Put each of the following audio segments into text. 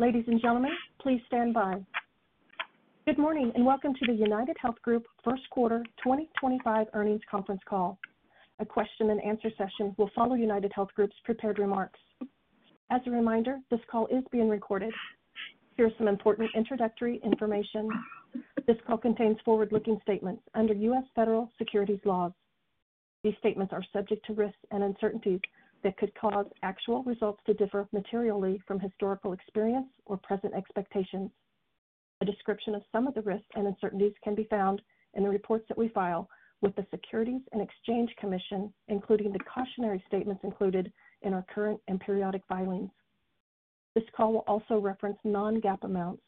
Ladies and gentlemen, please stand by. Good morning and welcome to the UnitedHealth Group First Quarter 2025 earnings conference call. A question-and-answer session will follow UnitedHealth Group's prepared remarks. As a reminder, this call is being recorded. Here is some important introductory information. This call contains forward-looking statements under U.S. federal securities laws. These statements are subject to risks and uncertainties that could cause actual results to differ materially from historical experience or present expectations. A description of some of the risks and uncertainties can be found in the reports that we file with the Securities and Exchange Commission, including the cautionary statements included in our current and periodic filings. This call will also reference non-GAAP amounts.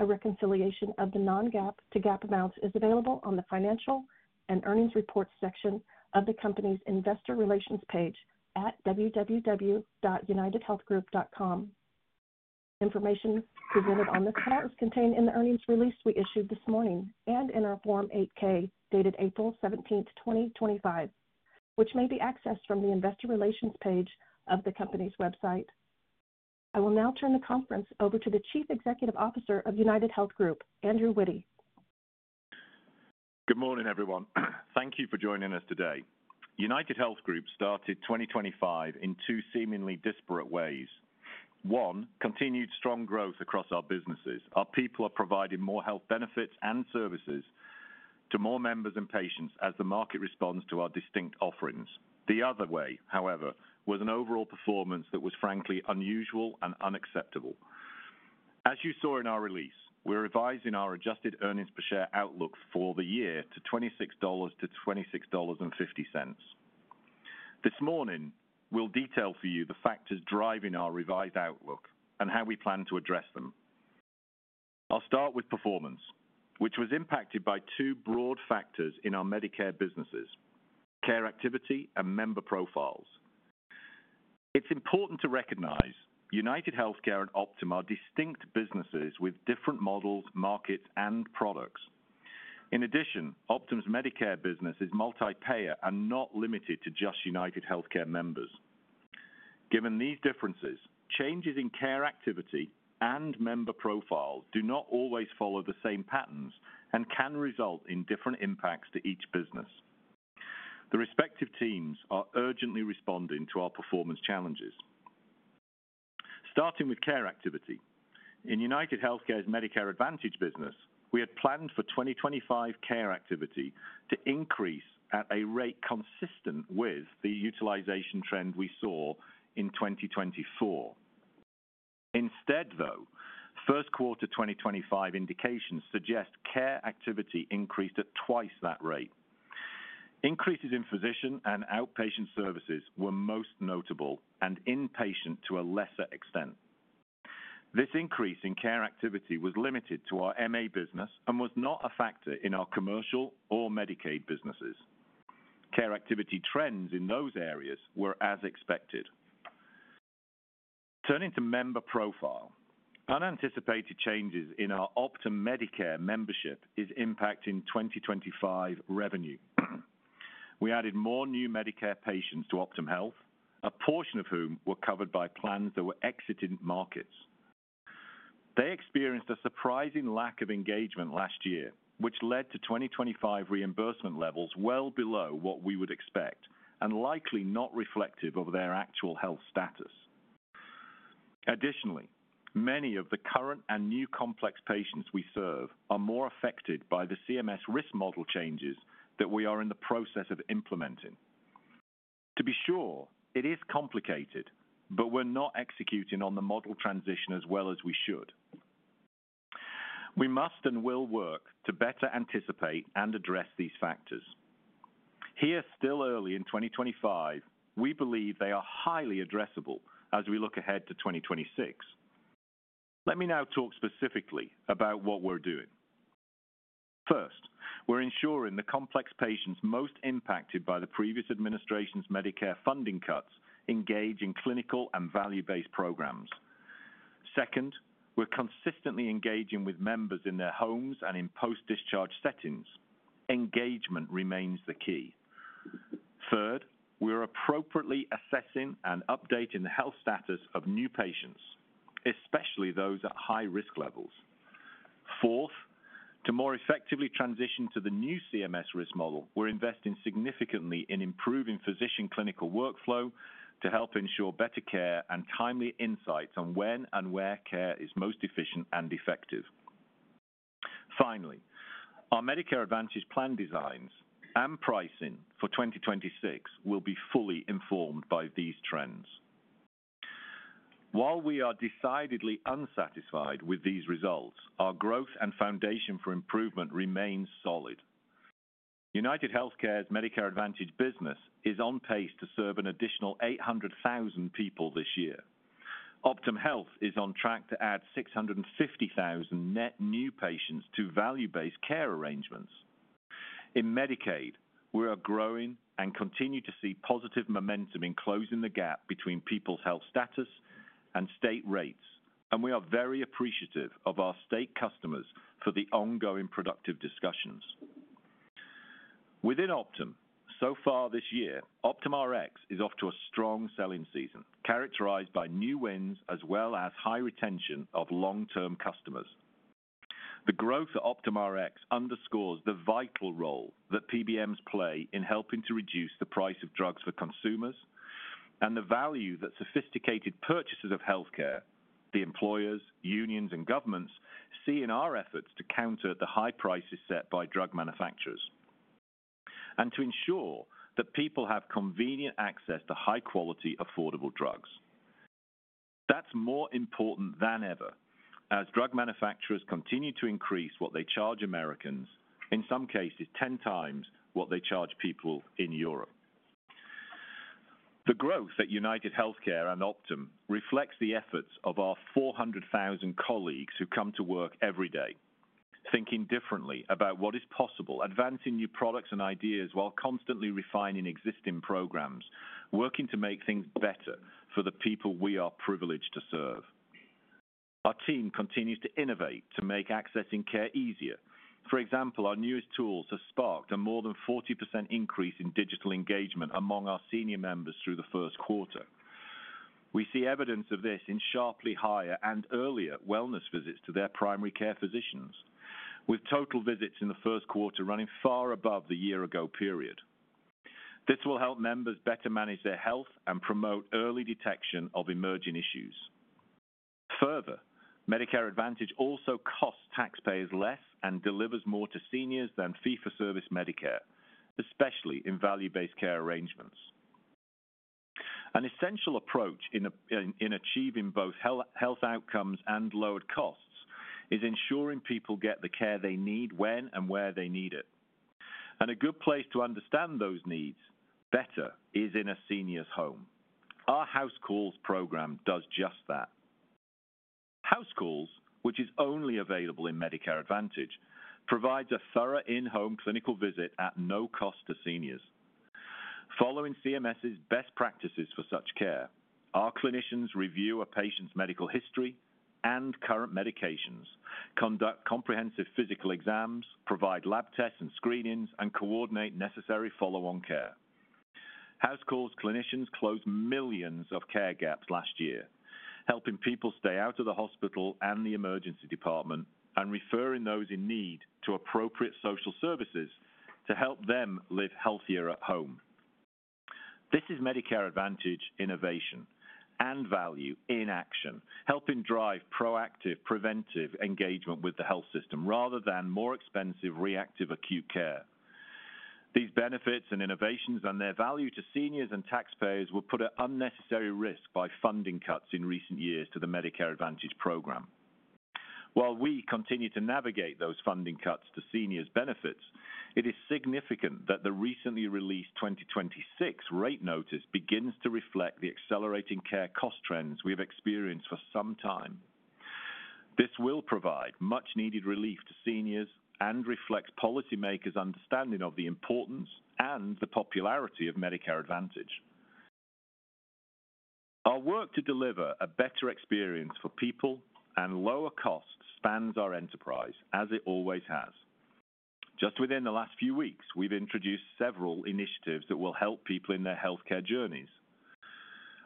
A reconciliation of the non-GAAP to GAAP amounts is available on the Financial and Earnings Reports section of the company's Investor Relations page at www.unitedhealthgroup.com. Information presented on this call is contained in the earnings release we issued this morning and in our Form 8K dated April 17, 2025, which may be accessed from the Investor Relations page of the company's website. I will now turn the conference over to the Chief Executive Officer of UnitedHealth Group, Andrew Witty. Good morning, everyone. Thank you for joining us today. UnitedHealth Group started 2025 in two seemingly disparate ways. One: continued strong growth across our businesses. Our people are providing more health benefits and services to more members and patients as the market responds to our distinct offerings. The other way, however, was an overall performance that was frankly unusual and unacceptable. As you saw in our release, we're revising our adjusted earnings per share outlook for the year to $26-$26.50. This morning, we'll detail for you the factors driving our revised outlook and how we plan to address them. I'll start with performance, which was impacted by two broad factors in our Medicare businesses: care activity and member profiles. It's important to recognize UnitedHealthcare and Optum are distinct businesses with different models, markets, and products. In addition, Optum's Medicare business is multi-payer and not limited to just UnitedHealthcare members. Given these differences, changes in care activity and member profiles do not always follow the same patterns and can result in different impacts to each business. The respective teams are urgently responding to our performance challenges. Starting with care activity, in UnitedHealthcare's Medicare Advantage business, we had planned for 2025 care activity to increase at a rate consistent with the utilization trend we saw in 2024. Instead, though, first quarter 2025 indications suggest care activity increased at twice that rate. Increases in physician and outpatient services were most notable and inpatient to a lesser extent. This increase in care activity was limited to our MA business and was not a factor in our commercial or Medicaid businesses. Care activity trends in those areas were as expected. Turning to member profile, unanticipated changes in our Optum Medicare membership is impacting 2025 revenue. We added more new Medicare patients to Optum Health, a portion of whom were covered by plans that were exiting markets. They experienced a surprising lack of engagement last year, which led to 2025 reimbursement levels well below what we would expect and likely not reflective of their actual health status. Additionally, many of the current and new complex patients we serve are more affected by the CMS risk model changes that we are in the process of implementing. To be sure, it is complicated, but we're not executing on the model transition as well as we should. We must and will work to better anticipate and address these factors. Here, still early in 2025, we believe they are highly addressable as we look ahead to 2026. Let me now talk specifically about what we're doing. First, we're ensuring the complex patients most impacted by the previous administration's Medicare funding cuts engage in clinical and value-based programs. Second, we're consistently engaging with members in their homes and in post-discharge settings. Engagement remains the key. Third, we're appropriately assessing and updating the health status of new patients, especially those at high risk levels. Fourth, to more effectively transition to the new CMS risk model, we're investing significantly in improving physician-clinical workflow to help ensure better care and timely insights on when and where care is most efficient and effective. Finally, our Medicare Advantage plan designs and pricing for 2026 will be fully informed by these trends. While we are decidedly unsatisfied with these results, our growth and foundation for improvement remain solid. UnitedHealthcare's Medicare Advantage business is on pace to serve an additional 800,000 people this year. Optum Health is on track to add 650,000 net new patients to value-based care arrangements. In Medicaid, we are growing and continue to see positive momentum in closing the gap between people's health status and state rates, and we are very appreciative of our state customers for the ongoing productive discussions. Within Optum, so far this year, Optum Rx is off to a strong selling season, characterized by new wins as well as high retention of long-term customers. The growth of Optum Rx underscores the vital role that PBMs play in helping to reduce the price of drugs for consumers and the value that sophisticated purchasers of healthcare, the employers, unions, and governments see in our efforts to counter the high prices set by drug manufacturers and to ensure that people have convenient access to high-quality, affordable drugs. That's more important than ever as drug manufacturers continue to increase what they charge Americans, in some cases ten times what they charge people in Europe. The growth at UnitedHealthcare and Optum reflects the efforts of our 400,000 colleagues who come to work every day, thinking differently about what is possible, advancing new products and ideas while constantly refining existing programs, working to make things better for the people we are privileged to serve. Our team continues to innovate to make accessing care easier. For example, our newest tools have sparked a more than 40% increase in digital engagement among our senior members through the first quarter. We see evidence of this in sharply higher and earlier wellness visits to their primary care physicians, with total visits in the first quarter running far above the year-ago period. This will help members better manage their health and promote early detection of emerging issues. Further, Medicare Advantage also costs taxpayers less and delivers more to seniors than fee-for-service Medicare, especially in value-based care arrangements. An essential approach in achieving both health outcomes and lowered costs is ensuring people get the care they need when and where they need it. A good place to understand those needs better is in a senior's home. Our House Calls program does just that. House Calls, which is only available in Medicare Advantage, provides a thorough in-home clinical visit at no cost to seniors. Following CMS's best practices for such care, our clinicians review a patient's medical history and current medications, conduct comprehensive physical exams, provide lab tests and screenings, and coordinate necessary follow-on care. House Calls clinicians closed millions of care gaps last year, helping people stay out of the hospital and the emergency department and referring those in need to appropriate social services to help them live healthier at home. This is Medicare Advantage innovation and value in action, helping drive proactive, preventive engagement with the health system rather than more expensive, reactive acute care. These benefits and innovations and their value to seniors and taxpayers were put at unnecessary risk by funding cuts in recent years to the Medicare Advantage program. While we continue to navigate those funding cuts to seniors' benefits, it is significant that the recently released 2026 rate notice begins to reflect the accelerating care cost trends we have experienced for some time. This will provide much-needed relief to seniors and reflects policymakers' understanding of the importance and the popularity of Medicare Advantage. Our work to deliver a better experience for people and lower costs spans our enterprise, as it always has. Just within the last few weeks, we have introduced several initiatives that will help people in their healthcare journeys.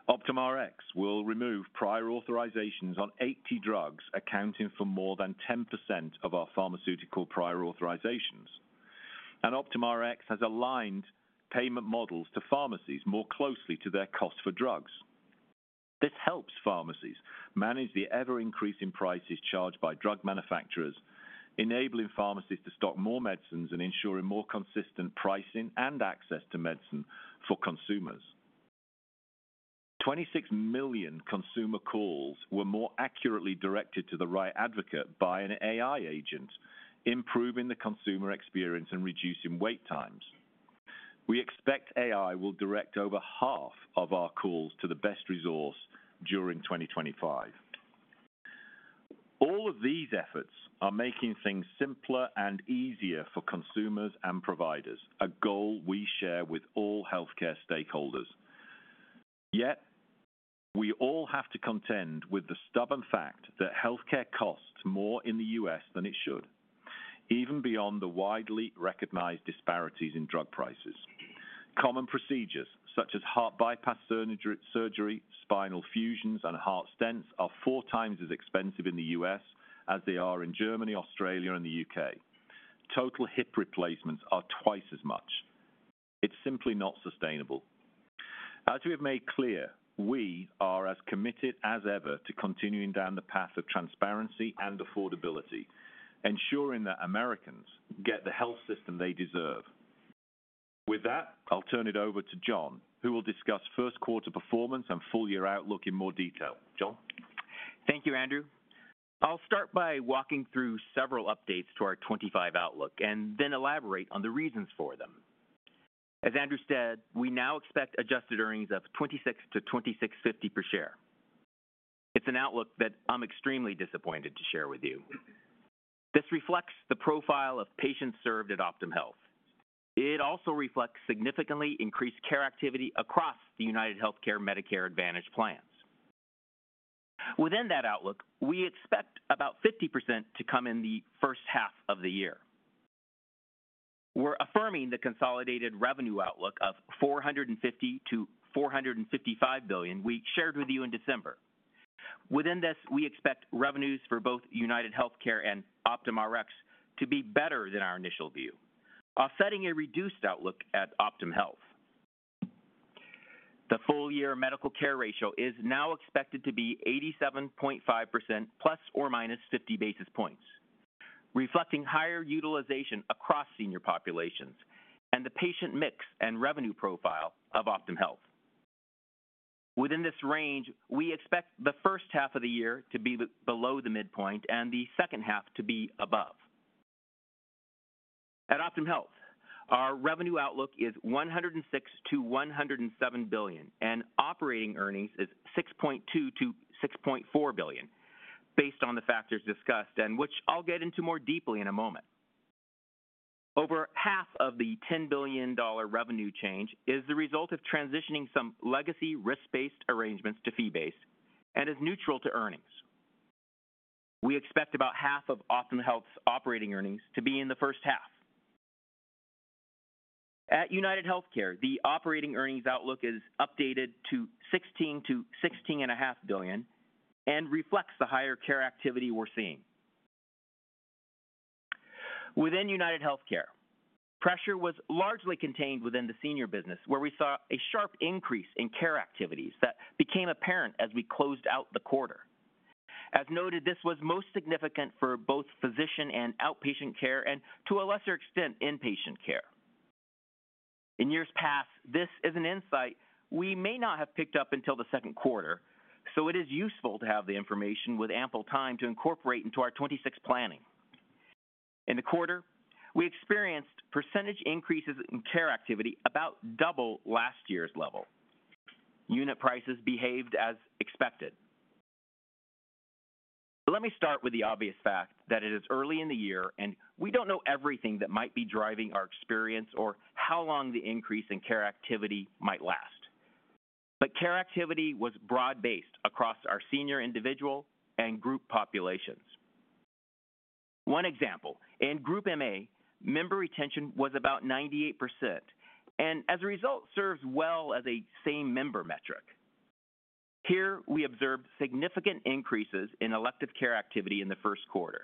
Optum Rx will remove prior authorizations on 80 drugs accounting for more than 10% of our pharmaceutical prior authorizations. Optum Rx has aligned payment models to pharmacies more closely to their cost for drugs. This helps pharmacies manage the ever-increasing prices charged by drug manufacturers, enabling pharmacies to stock more medicines and ensuring more consistent pricing and access to medicine for consumers. 26 million consumer calls were more accurately directed to the right advocate by an AI agent, improving the consumer experience and reducing wait times. We expect AI will direct over half of our calls to the best resource during 2025. All of these efforts are making things simpler and easier for consumers and providers, a goal we share with all healthcare stakeholders. Yet, we all have to contend with the stubborn fact that healthcare costs more in the U.S. than it should, even beyond the widely recognized disparities in drug prices. Common procedures such as heart bypass surgery, spinal fusions, and heart stents are four times as expensive in the U.S. as they are in Germany, Australia, and the U.K. Total hip replacements are twice as much. It's simply not sustainable. As we have made clear, we are as committed as ever to continuing down the path of transparency and affordability, ensuring that Americans get the health system they deserve. With that, I'll turn it over to John, who will discuss first quarter performance and full-year outlook in more detail. John? Thank you, Andrew. I'll start by walking through several updates to our 2025 outlook and then elaborate on the reasons for them. As Andrew said, we now expect adjusted earnings of $26-$26.50 per share. It's an outlook that I'm extremely disappointed to share with you. This reflects the profile of patients served at Optum Health. It also reflects significantly increased care activity across the UnitedHealthcare Medicare Advantage plans. Within that outlook, we expect about 50% to come in the first half of the year. We're affirming the consolidated revenue outlook of $450-$455 billion we shared with you in December. Within this, we expect revenues for both UnitedHealthcare and Optum Rx to be better than our initial view. I'll set a reduced outlook at Optum Health. The full-year medical care ratio is now expected to be 87.5% plus or minus 50 basis points, reflecting higher utilization across senior populations and the patient mix and revenue profile of Optum Health. Within this range, we expect the first half of the year to be below the midpoint and the second half to be above. At Optum Health, our revenue outlook is $106 billion-$107 billion, and operating earnings is $6.2 billion-$6.4 billion, based on the factors discussed, and which I'll get into more deeply in a moment. Over half of the $10 billion revenue change is the result of transitioning some legacy risk-based arrangements to fee-based and is neutral to earnings. We expect about half of Optum Health's operating earnings to be in the first half. At UnitedHealthcare, the operating earnings outlook is updated to $16 billion-$16.5 billion and reflects the higher care activity we're seeing. Within UnitedHealthcare, pressure was largely contained within the senior business, where we saw a sharp increase in care activities that became apparent as we closed out the quarter. As noted, this was most significant for both physician and outpatient care, and to a lesser extent, inpatient care. In years past, this is an insight we may not have picked up until the second quarter, so it is useful to have the information with ample time to incorporate into our 2026 planning. In the quarter, we experienced percentage increases in care activity about double last year's level. Unit prices behaved as expected. Let me start with the obvious fact that it is early in the year, and we do not know everything that might be driving our experience or how long the increase in care activity might last. Care activity was broad-based across our senior individual and group populations. One example, in Group MA, member retention was about 98%, and as a result, serves well as a same-member metric. Here, we observed significant increases in elective care activity in the first quarter.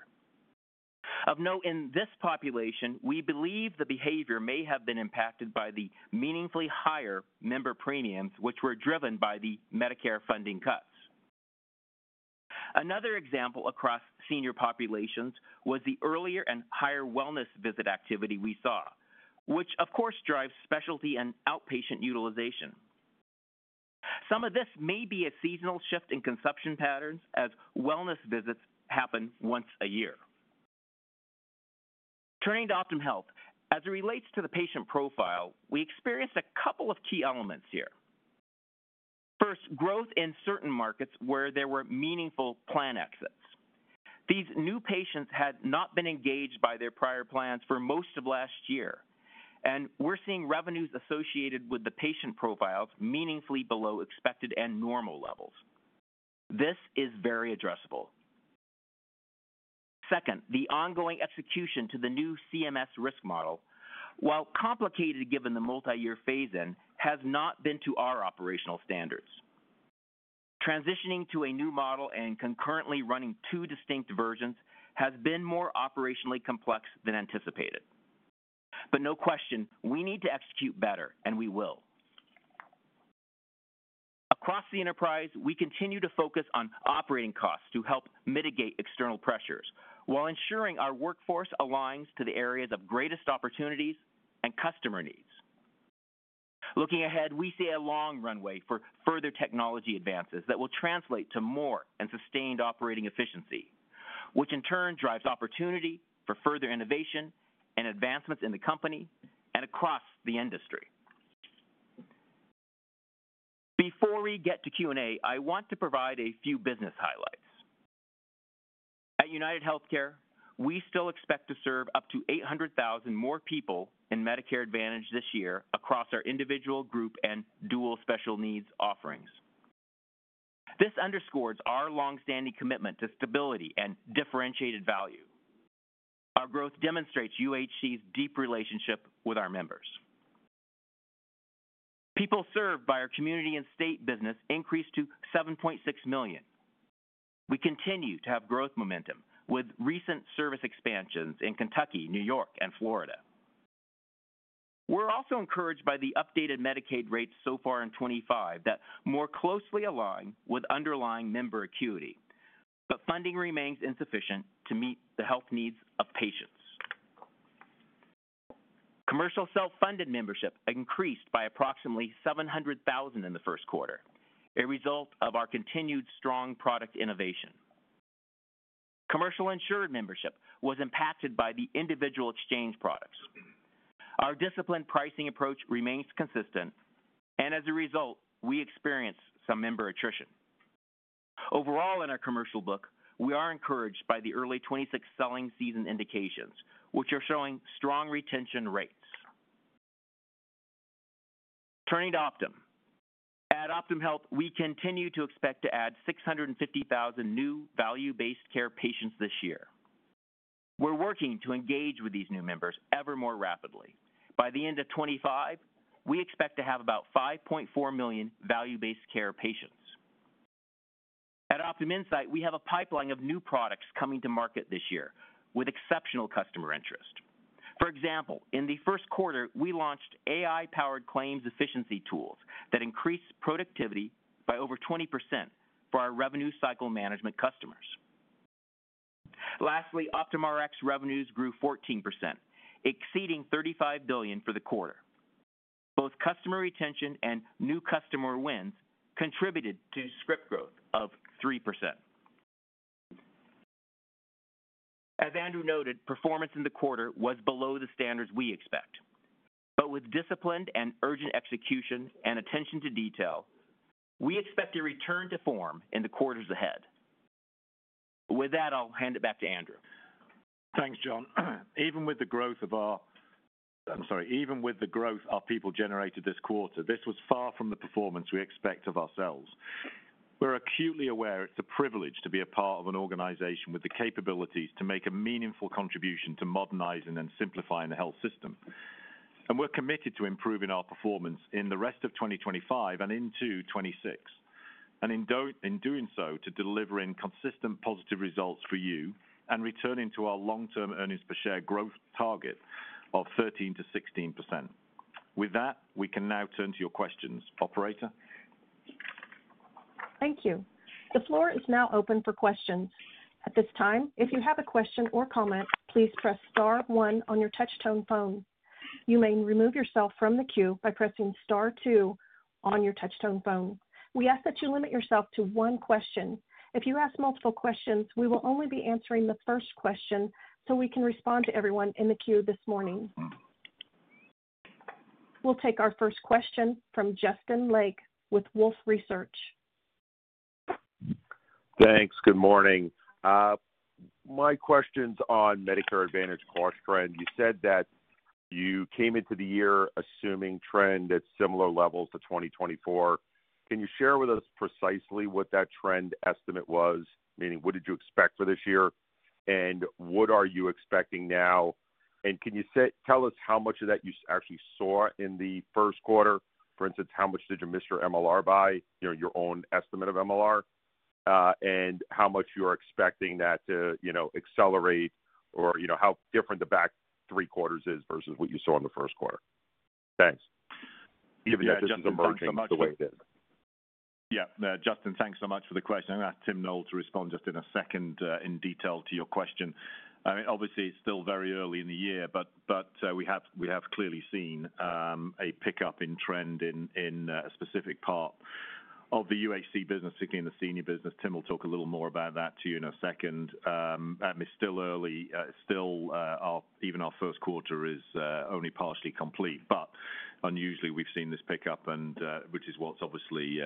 Of note, in this population, we believe the behavior may have been impacted by the meaningfully higher member premiums, which were driven by the Medicare funding cuts. Another example across senior populations was the earlier and higher wellness visit activity we saw, which, of course, drives specialty and outpatient utilization. Some of this may be a seasonal shift in consumption patterns as wellness visits happen once a year. Turning to Optum Health, as it relates to the patient profile, we experienced a couple of key elements here. First, growth in certain markets where there were meaningful plan exits. These new patients had not been engaged by their prior plans for most of last year, and we're seeing revenues associated with the patient profiles meaningfully below expected and normal levels. This is very addressable. Second, the ongoing execution to the new CMS risk model, while complicated given the multi-year phase-in, has not been to our operational standards. Transitioning to a new model and concurrently running two distinct versions has been more operationally complex than anticipated. No question, we need to execute better, and we will. Across the enterprise, we continue to focus on operating costs to help mitigate external pressures while ensuring our workforce aligns to the areas of greatest opportunities and customer needs. Looking ahead, we see a long runway for further technology advances that will translate to more and sustained operating efficiency, which in turn drives opportunity for further innovation and advancements in the company and across the industry. Before we get to Q&A, I want to provide a few business highlights. At UnitedHealthcare, we still expect to serve up to 800,000 more people in Medicare Advantage this year across our individual, group, and dual special needs offerings. This underscores our long-standing commitment to stability and differentiated value. Our growth demonstrates UHC's deep relationship with our members. People served by our community and state business increased to 7.6 million. We continue to have growth momentum with recent service expansions in Kentucky, New York, and Florida. We're also encouraged by the updated Medicaid rates so far in 2025 that more closely align with underlying member acuity, but funding remains insufficient to meet the health needs of patients. Commercial self-funded membership increased by approximately 700,000 in the first quarter, a result of our continued strong product innovation. Commercial insured membership was impacted by the individual exchange products. Our disciplined pricing approach remains consistent, and as a result, we experience some member attrition. Overall, in our commercial book, we are encouraged by the early 2026 selling season indications, which are showing strong retention rates. Turning to Optum. At Optum Health, we continue to expect to add 650,000 new value-based care patients this year. We're working to engage with these new members ever more rapidly. By the end of 2025, we expect to have about 5.4 million value-based care patients. At Optum Insight, we have a pipeline of new products coming to market this year with exceptional customer interest. For example, in the first quarter, we launched AI-powered claims efficiency tools that increased productivity by over 20% for our revenue cycle management customers. Lastly, Optum Rx revenues grew 14%, exceeding $35 billion for the quarter. Both customer retention and new customer wins contributed to script growth of 3%. As Andrew noted, performance in the quarter was below the standards we expect. With disciplined and urgent execution and attention to detail, we expect a return to form in the quarters ahead. With that, I'll hand it back to Andrew. Thanks, John. Even with the growth our people generated this quarter, this was far from the performance we expect of ourselves. We're acutely aware it's a privilege to be a part of an organization with the capabilities to make a meaningful contribution to modernizing and simplifying the health system. We're committed to improving our performance in the rest of 2025 and into 2026, and in doing so, to delivering consistent positive results for you and returning to our long-term earnings per share growth target of 13-16%. With that, we can now turn to your questions, operator. Thank you. The floor is now open for questions. At this time, if you have a question or comment, please press Star one on your touch-tone phone. You may remove yourself from the queue by pressing Star two on your touch-tone phone. We ask that you limit yourself to one question. If you ask multiple questions, we will only be answering the first question so we can respond to everyone in the queue this morning. We'll take our first question from Justin Lake with Wolfe Research. Thanks. Good morning. My question's on Medicare Advantage cost trend. You said that you came into the year assuming trend at similar levels to 2024. Can you share with us precisely what that trend estimate was, meaning what did you expect for this year, and what are you expecting now? Can you tell us how much of that you actually saw in the first quarter? For instance, how much did you miss your MLR by, your own estimate of MLR, and how much you're expecting that to accelerate or how different the back three quarters is versus what you saw in the first quarter? Thanks. Even if this is emerging the way it is. Yeah. Justin, thanks so much for the question. I'm going to ask Tim Knowles to respond just in a second in detail to your question. I mean, obviously, it's still very early in the year, but we have clearly seen a pickup in trend in a specific part of the UHC business, particularly in the senior business. Tim will talk a little more about that to you in a second. It's still early. Even our first quarter is only partially complete. Unusually, we've seen this pickup, which is what's obviously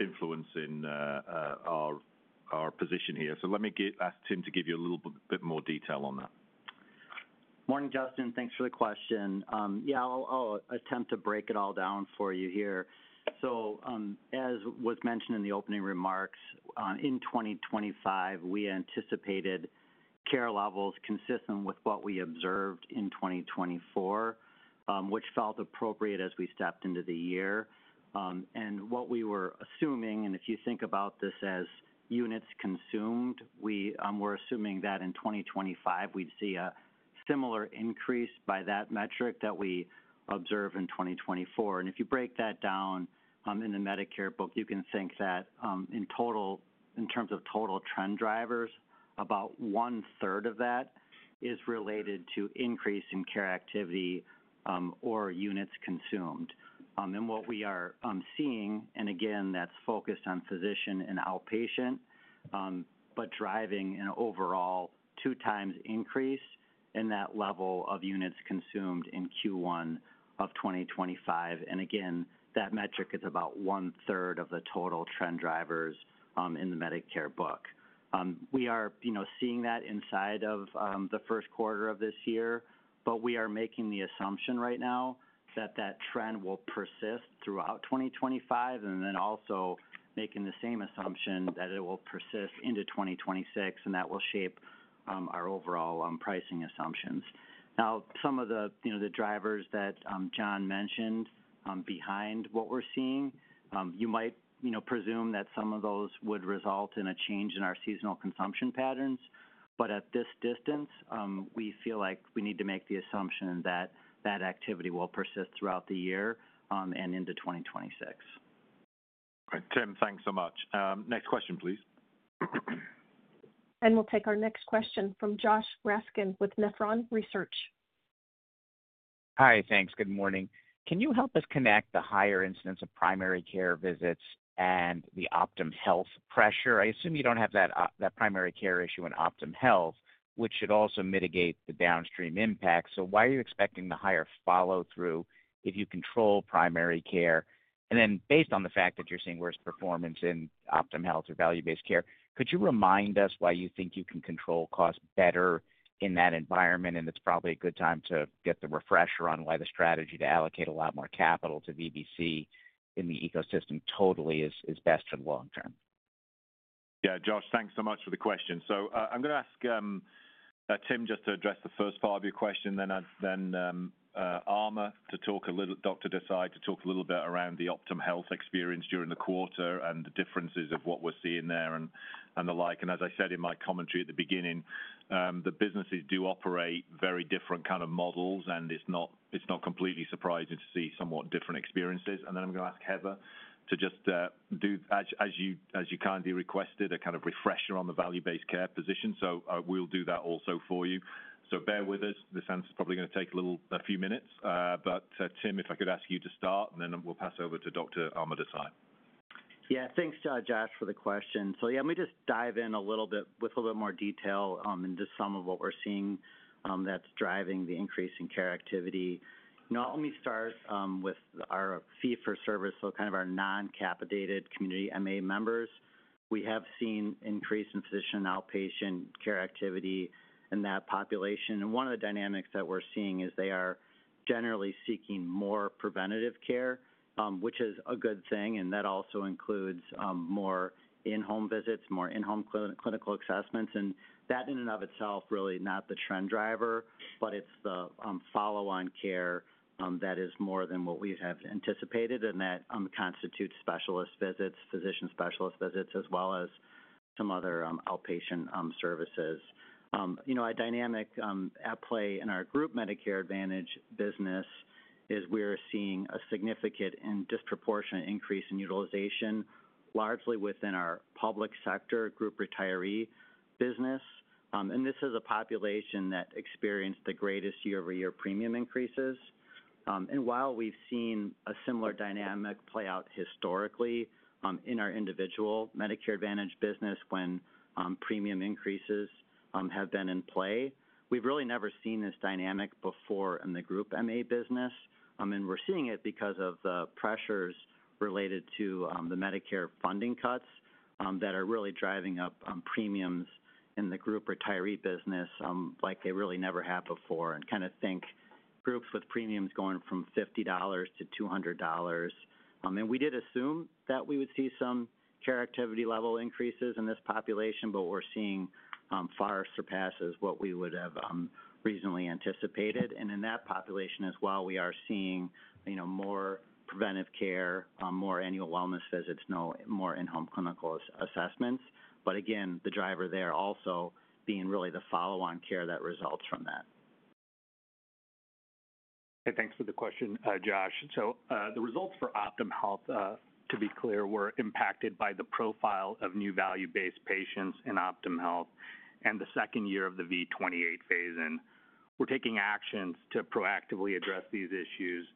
influencing our position here. Let me ask Tim to give you a little bit more detail on that. Morning, Justin. Thanks for the question. Yeah, I'll attempt to break it all down for you here. As was mentioned in the opening remarks, in 2025, we anticipated care levels consistent with what we observed in 2024, which felt appropriate as we stepped into the year. What we were assuming, and if you think about this as units consumed, we were assuming that in 2025, we'd see a similar increase by that metric that we observed in 2024. If you break that down in the Medicare book, you can think that in total, in terms of total trend drivers, about one-third of that is related to increase in care activity or units consumed. What we are seeing, and again, that's focused on physician and outpatient, but driving an overall two-times increase in that level of units consumed in Q1 of 2025. That metric is about one-third of the total trend drivers in the Medicare book. We are seeing that inside of the first quarter of this year, but we are making the assumption right now that that trend will persist throughout 2025, and then also making the same assumption that it will persist into 2026, and that will shape our overall pricing assumptions. Now, some of the drivers that John mentioned behind what we are seeing, you might presume that some of those would result in a change in our seasonal consumption patterns. At this distance, we feel like we need to make the assumption that that activity will persist throughout the year and into 2026. All right. Tim, thanks so much. Next question, please. We'll take our next question from Josh Raskin with Nephron Research. Hi, thanks. Good morning. Can you help us connect the higher incidence of primary care visits and the Optum Health pressure? I assume you don't have that primary care issue in Optum Health, which should also mitigate the downstream impact. Why are you expecting the higher follow-through if you control primary care? Based on the fact that you're seeing worse performance in Optum Health or value-based care, could you remind us why you think you can control costs better in that environment? It's probably a good time to get the refresher on why the strategy to allocate a lot more capital to VBC in the ecosystem totally is best for the long term. Yeah. Josh, thanks so much for the question. I'm going to ask Tim just to address the first part of your question, then Amar to talk a little, Dr. Desai to talk a little bit around the Optum Health experience during the quarter and the differences of what we're seeing there and the like. As I said in my commentary at the beginning, the businesses do operate very different kind of models, and it's not completely surprising to see somewhat different experiences. I'm going to ask Heather to just do, as you kindly requested, a kind of refresher on the value-based care position. We'll do that also for you. Bear with us. This answer's probably going to take a few minutes. Tim, if I could ask you to start, and then we'll pass over to Dr. Amar Desai. Yeah. Thanks, Josh, for the question. Yeah, let me just dive in a little bit with a little bit more detail into some of what we're seeing that's driving the increase in care activity. Let me start with our fee-for-service, so kind of our non-capitated community MA members. We have seen an increase in physician and outpatient care activity in that population. One of the dynamics that we're seeing is they are generally seeking more preventative care, which is a good thing. That also includes more in-home visits, more in-home clinical assessments. That in and of itself, really not the trend driver, but it's the follow-on care that is more than what we have anticipated, and that constitutes specialist visits, physician specialist visits, as well as some other outpatient services. A dynamic at play in our group Medicare Advantage business is we're seeing a significant and disproportionate increase in utilization, largely within our public sector group retiree business. This is a population that experienced the greatest year-over-year premium increases. While we've seen a similar dynamic play out historically in our individual Medicare Advantage business when premium increases have been in play, we've really never seen this dynamic before in the group MA business. We're seeing it because of the pressures related to the Medicare funding cuts that are really driving up premiums in the group retiree business like they really never had before. Kind of think groups with premiums going from $50 to $200. We did assume that we would see some care activity level increases in this population, but what we're seeing far surpasses what we would have reasonably anticipated. In that population as well, we are seeing more preventive care, more annual wellness visits, more in-home clinical assessments. Again, the driver there also being really the follow-on care that results from that. Hey, thanks for the question, Josh. The results for Optum Health, to be clear, were impacted by the profile of new value-based patients in Optum Health and the second year of the V28 phase. We are taking actions to proactively address these issues.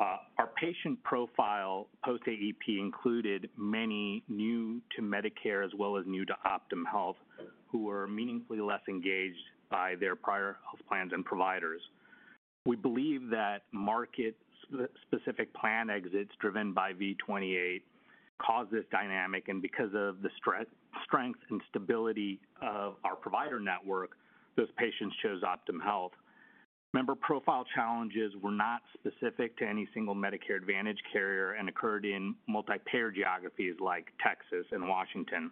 Our patient profile post-AEP included many new to Medicare as well as new to Optum Health who were meaningfully less engaged by their prior health plans and providers. We believe that market-specific plan exits driven by V28 caused this dynamic. Because of the strength and stability of our provider network, those patients chose Optum Health. Member profile challenges were not specific to any single Medicare Advantage carrier and occurred in multi-payer geographies like Texas and Washington.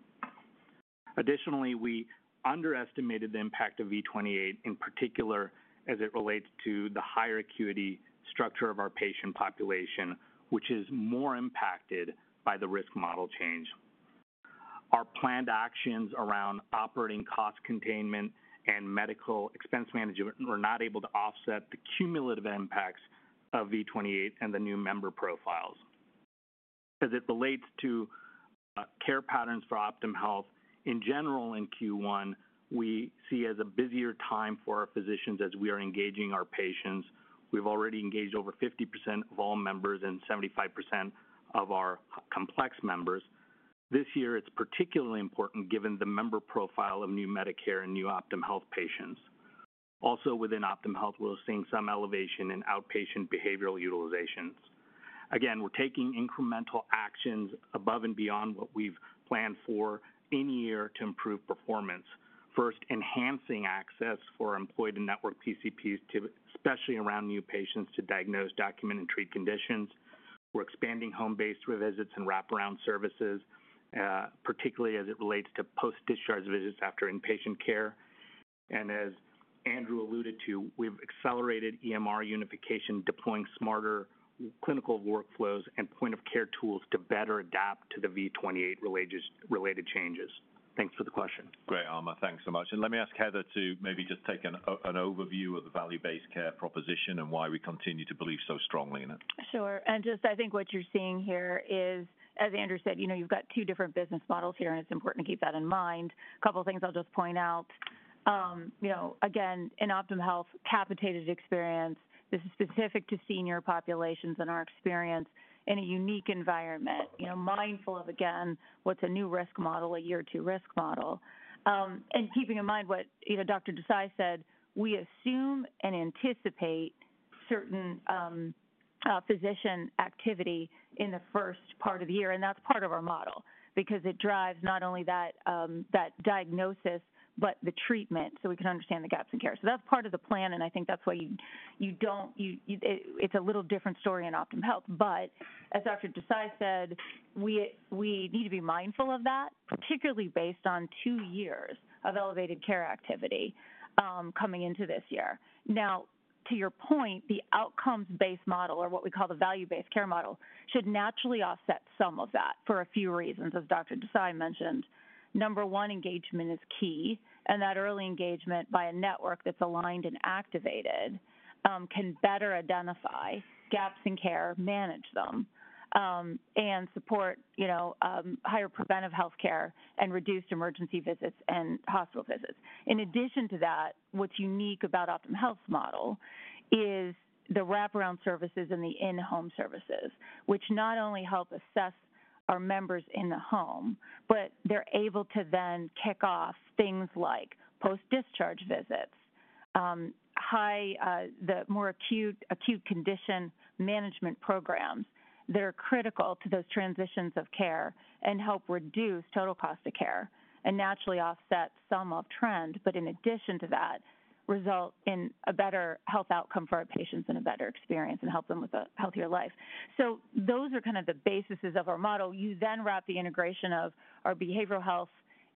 Additionally, we underestimated the impact of V28, in particular as it relates to the higher acuity structure of our patient population, which is more impacted by the risk model change. Our planned actions around operating cost containment and medical expense management were not able to offset the cumulative impacts of V28 and the new member profiles. As it relates to care patterns for Optum Health, in general, in Q1, we see as a busier time for our physicians as we are engaging our patients. We've already engaged over 50% of all members and 75% of our complex members. This year, it's particularly important given the member profile of new Medicare and new Optum Health patients. Also within Optum Health, we're seeing some elevation in outpatient behavioral utilizations. Again, we're taking incremental actions above and beyond what we've planned for any year to improve performance. First, enhancing access for employee-to-network PCPs, especially around new patients to diagnose, document, and treat conditions. We are expanding home-based visits and wraparound services, particularly as it relates to post-discharge visits after inpatient care. As Andrew alluded to, we have accelerated EMR unification, deploying smarter clinical workflows and point-of-care tools to better adapt to the V28-related changes. Thanks for the question. Great, Amar. Thanks so much. Let me ask Heather to maybe just take an overview of the value-based care proposition and why we continue to believe so strongly in it. Sure. I think what you're seeing here is, as Andrew said, you've got two different business models here, and it's important to keep that in mind. A couple of things I'll just point out. Again, in Optum Health, capitated experience, this is specific to senior populations in our experience, in a unique environment, mindful of, again, what's a new risk model, a year-two risk model. Keeping in mind what Dr. Desai said, we assume and anticipate certain physician activity in the first part of the year. That's part of our model because it drives not only that diagnosis, but the treatment so we can understand the gaps in care. That's part of the plan, and I think that's why you don't—it's a little different story in Optum Health. As Dr. Desai said, we need to be mindful of that, particularly based on two years of elevated care activity coming into this year. Now, to your point, the outcomes-based model, or what we call the value-based care model, should naturally offset some of that for a few reasons, as Dr. Desai mentioned. Number one, engagement is key. That early engagement by a network that's aligned and activated can better identify gaps in care, manage them, and support higher preventive healthcare and reduced emergency visits and hospital visits. In addition to that, what's unique about Optum Health's model is the wraparound services and the in-home services, which not only help assess our members in the home, but they're able to then kick off things like post-discharge visits, the more acute condition management programs that are critical to those transitions of care and help reduce total cost of care and naturally offset some of trend. In addition to that, result in a better health outcome for our patients and a better experience and help them with a healthier life. Those are kind of the bases of our model. You then wrap the integration of our behavioral health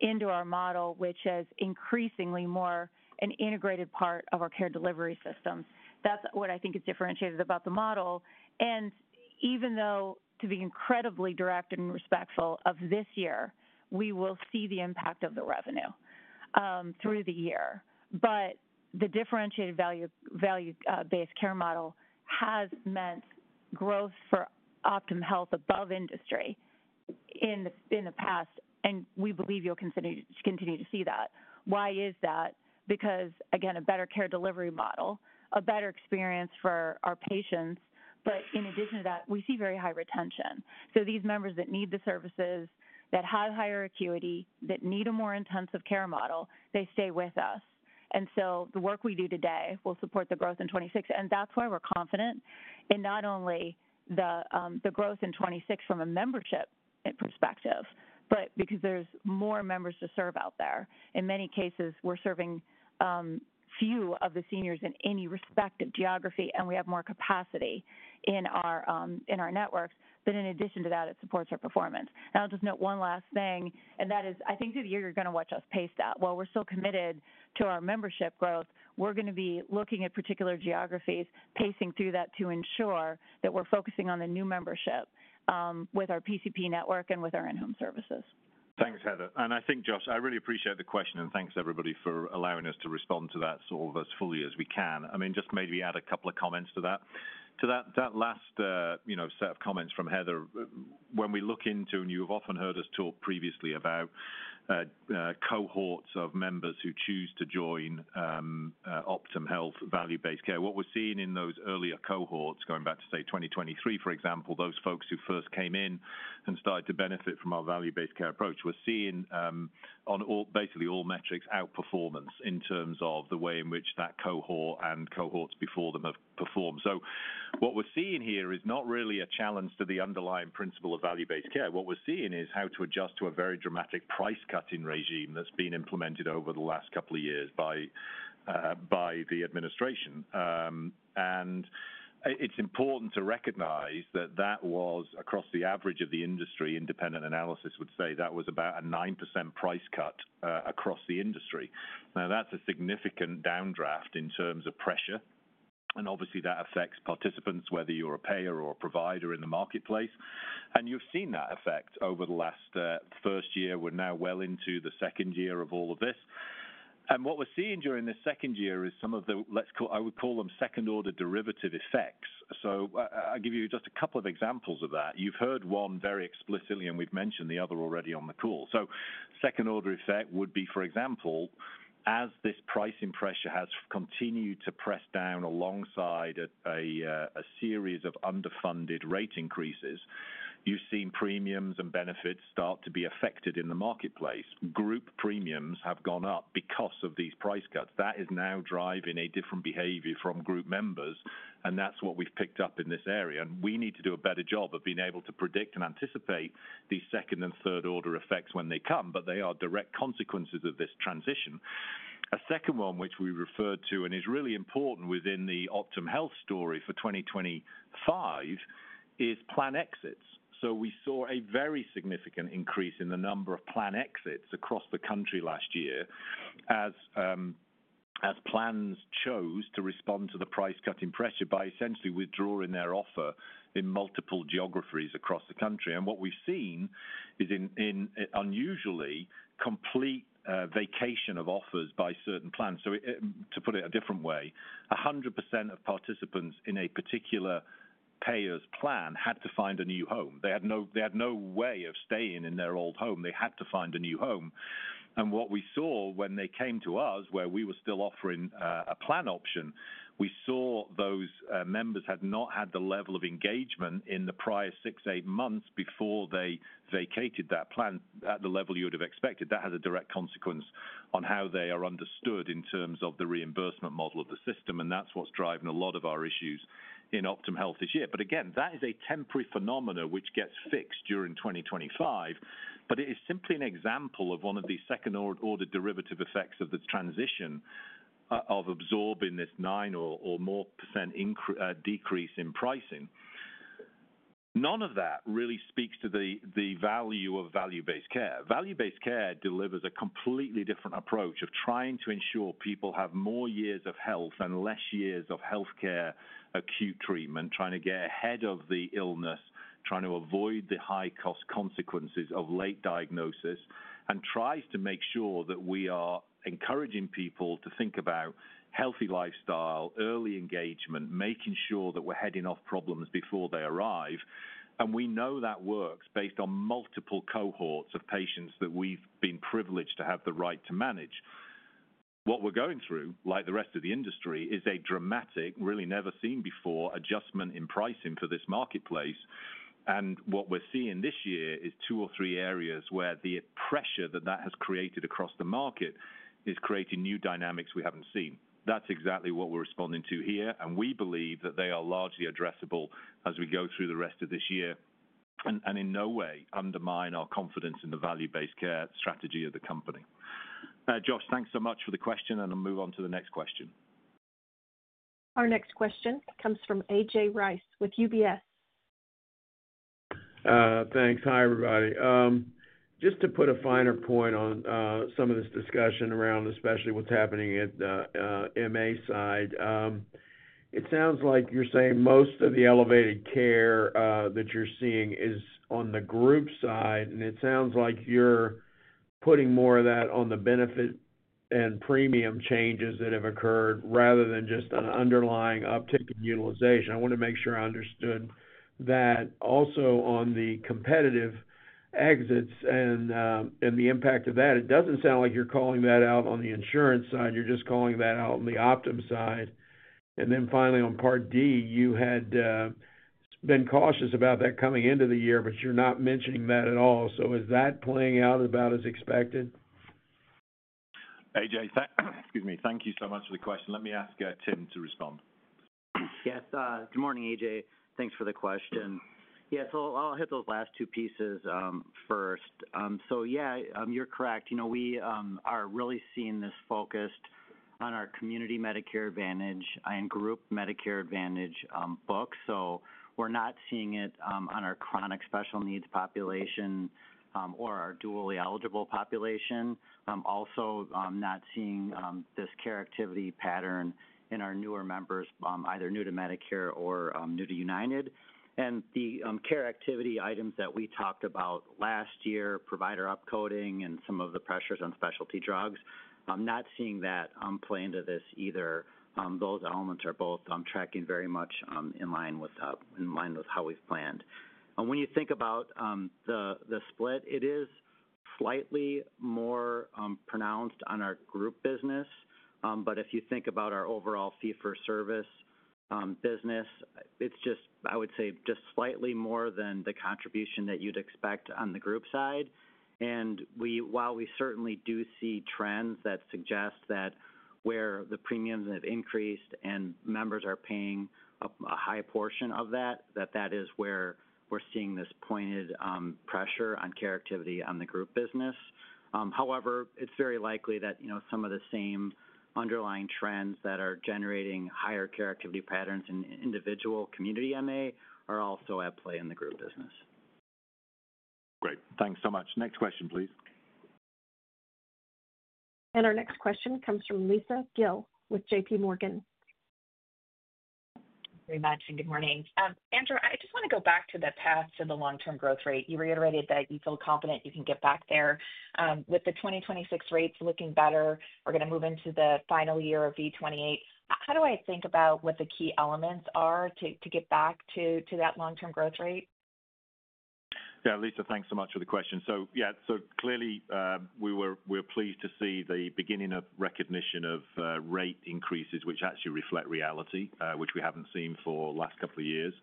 into our model, which is increasingly more an integrated part of our care delivery systems. That's what I think is differentiated about the model. Even though, to be incredibly direct and respectful, of this year, we will see the impact of the revenue through the year. The differentiated value-based care model has meant growth for Optum Health above industry in the past, and we believe you'll continue to see that. Why is that? Because, again, a better care delivery model, a better experience for our patients. In addition to that, we see very high retention. These members that need the services, that have higher acuity, that need a more intensive care model, they stay with us. The work we do today will support the growth in 2026. That is why we're confident in not only the growth in 2026 from a membership perspective, but because there's more members to serve out there. In many cases, we're serving few of the seniors in any respective geography, and we have more capacity in our networks. In addition to that, it supports our performance. Now, I'll just note one last thing, and that is, I think through the year, you're going to watch us pace that. While we're still committed to our membership growth, we're going to be looking at particular geographies, pacing through that to ensure that we're focusing on the new membership with our PCP network and with our in-home services. Thanks, Heather. I think, Josh, I really appreciate the question, and thanks, everybody, for allowing us to respond to that sort of as fully as we can. I mean, just maybe add a couple of comments to that. To that last set of comments from Heather, when we look into, and you have often heard us talk previously about cohorts of members who choose to join Optum Health value-based care, what we're seeing in those earlier cohorts, going back to, say, 2023, for example, those folks who first came in and started to benefit from our value-based care approach, we're seeing on basically all metrics outperformance in terms of the way in which that cohort and cohorts before them have performed. What we're seeing here is not really a challenge to the underlying principle of value-based care. What we're seeing is how to adjust to a very dramatic price cutting regime that's been implemented over the last couple of years by the administration. It's important to recognize that that was, across the average of the industry, independent analysis would say that was about a 9% price cut across the industry. Now, that's a significant downdraft in terms of pressure. Obviously, that affects participants, whether you're a payer or a provider in the marketplace. You've seen that effect over the last first year. We're now well into the second year of all of this. What we're seeing during this second year is some of the, I would call them, second-order derivative effects. I'll give you just a couple of examples of that. You've heard one very explicitly, and we've mentioned the other already on the call. Second-order effect would be, for example, as this pricing pressure has continued to press down alongside a series of underfunded rate increases, you've seen premiums and benefits start to be affected in the marketplace. Group premiums have gone up because of these price cuts. That is now driving a different behavior from group members. That's what we've picked up in this area. We need to do a better job of being able to predict and anticipate these second and third-order effects when they come, but they are direct consequences of this transition. A second one, which we referred to and is really important within the Optum Health story for 2025, is plan exits. We saw a very significant increase in the number of plan exits across the country last year as plans chose to respond to the price cutting pressure by essentially withdrawing their offer in multiple geographies across the country. What we've seen is an unusually complete vacation of offers by certain plans. To put it a different way, 100% of participants in a particular payer's plan had to find a new home. They had no way of staying in their old home. They had to find a new home. What we saw when they came to us, where we were still offering a plan option, we saw those members had not had the level of engagement in the prior six, eight months before they vacated that plan at the level you would have expected. That has a direct consequence on how they are understood in terms of the reimbursement model of the system. That is what's driving a lot of our issues in Optum Health this year. Again, that is a temporary phenomenon which gets fixed during 2025. It is simply an example of one of these second-order derivative effects of the transition of absorbing this 9% or more decrease in pricing. None of that really speaks to the value of value-based care. Value-based care delivers a completely different approach of trying to ensure people have more years of health and less years of healthcare acute treatment, trying to get ahead of the illness, trying to avoid the high-cost consequences of late diagnosis, and tries to make sure that we are encouraging people to think about healthy lifestyle, early engagement, making sure that we're heading off problems before they arrive. We know that works based on multiple cohorts of patients that we've been privileged to have the right to manage. What we're going through, like the rest of the industry, is a dramatic, really never seen before adjustment in pricing for this marketplace. What we're seeing this year is two or three areas where the pressure that that has created across the market is creating new dynamics we haven't seen. That's exactly what we're responding to here. We believe that they are largely addressable as we go through the rest of this year and in no way undermine our confidence in the value-based care strategy of the company. Josh, thanks so much for the question, and I'll move on to the next question. Our next question comes from AJ Rice with UBS. Thanks. Hi, everybody. Just to put a finer point on some of this discussion around especially what's happening at the MA side, it sounds like you're saying most of the elevated care that you're seeing is on the group side. It sounds like you're putting more of that on the benefit and premium changes that have occurred rather than just an underlying uptake and utilization. I want to make sure I understood that. Also on the competitive exits and the impact of that, it doesn't sound like you're calling that out on the insurance side. You're just calling that out on the Optum side. Finally, on part D, you had been cautious about that coming into the year, but you're not mentioning that at all. Is that playing out about as expected? AJ, excuse me. Thank you so much for the question. Let me ask Tim to respond. Yes. Good morning, AJ. Thanks for the question. Yeah. I'll hit those last two pieces first. Yeah, you're correct. We are really seeing this focused on our community Medicare Advantage and group Medicare Advantage book. We're not seeing it on our chronic special needs population or our dually eligible population. Also, I'm not seeing this care activity pattern in our newer members, either new to Medicare or new to United. The care activity items that we talked about last year, provider upcoding, and some of the pressures on specialty drugs, I'm not seeing that play into this either. Those elements are both tracking very much in line with how we've planned. When you think about the split, it is slightly more pronounced on our group business. If you think about our overall fee-for-service business, it's just, I would say, just slightly more than the contribution that you'd expect on the group side. While we certainly do see trends that suggest that where the premiums have increased and members are paying a high portion of that, that is where we're seeing this pointed pressure on care activity on the group business. However, it's very likely that some of the same underlying trends that are generating higher care activity patterns in individual community MA are also at play in the group business. Great. Thanks so much. Next question, please. Our next question comes from Lisa Gill with JPMorgan. Very much and good morning. Andrew, I just want to go back to the path to the long-term growth rate. You reiterated that you feel confident you can get back there. With the 2026 rates looking better, we're going to move into the final year of V28. How do I think about what the key elements are to get back to that long-term growth rate? Yeah. Lisa, thanks so much for the question. Yeah, clearly, we were pleased to see the beginning of recognition of rate increases, which actually reflect reality, which we haven't seen for the last couple of years.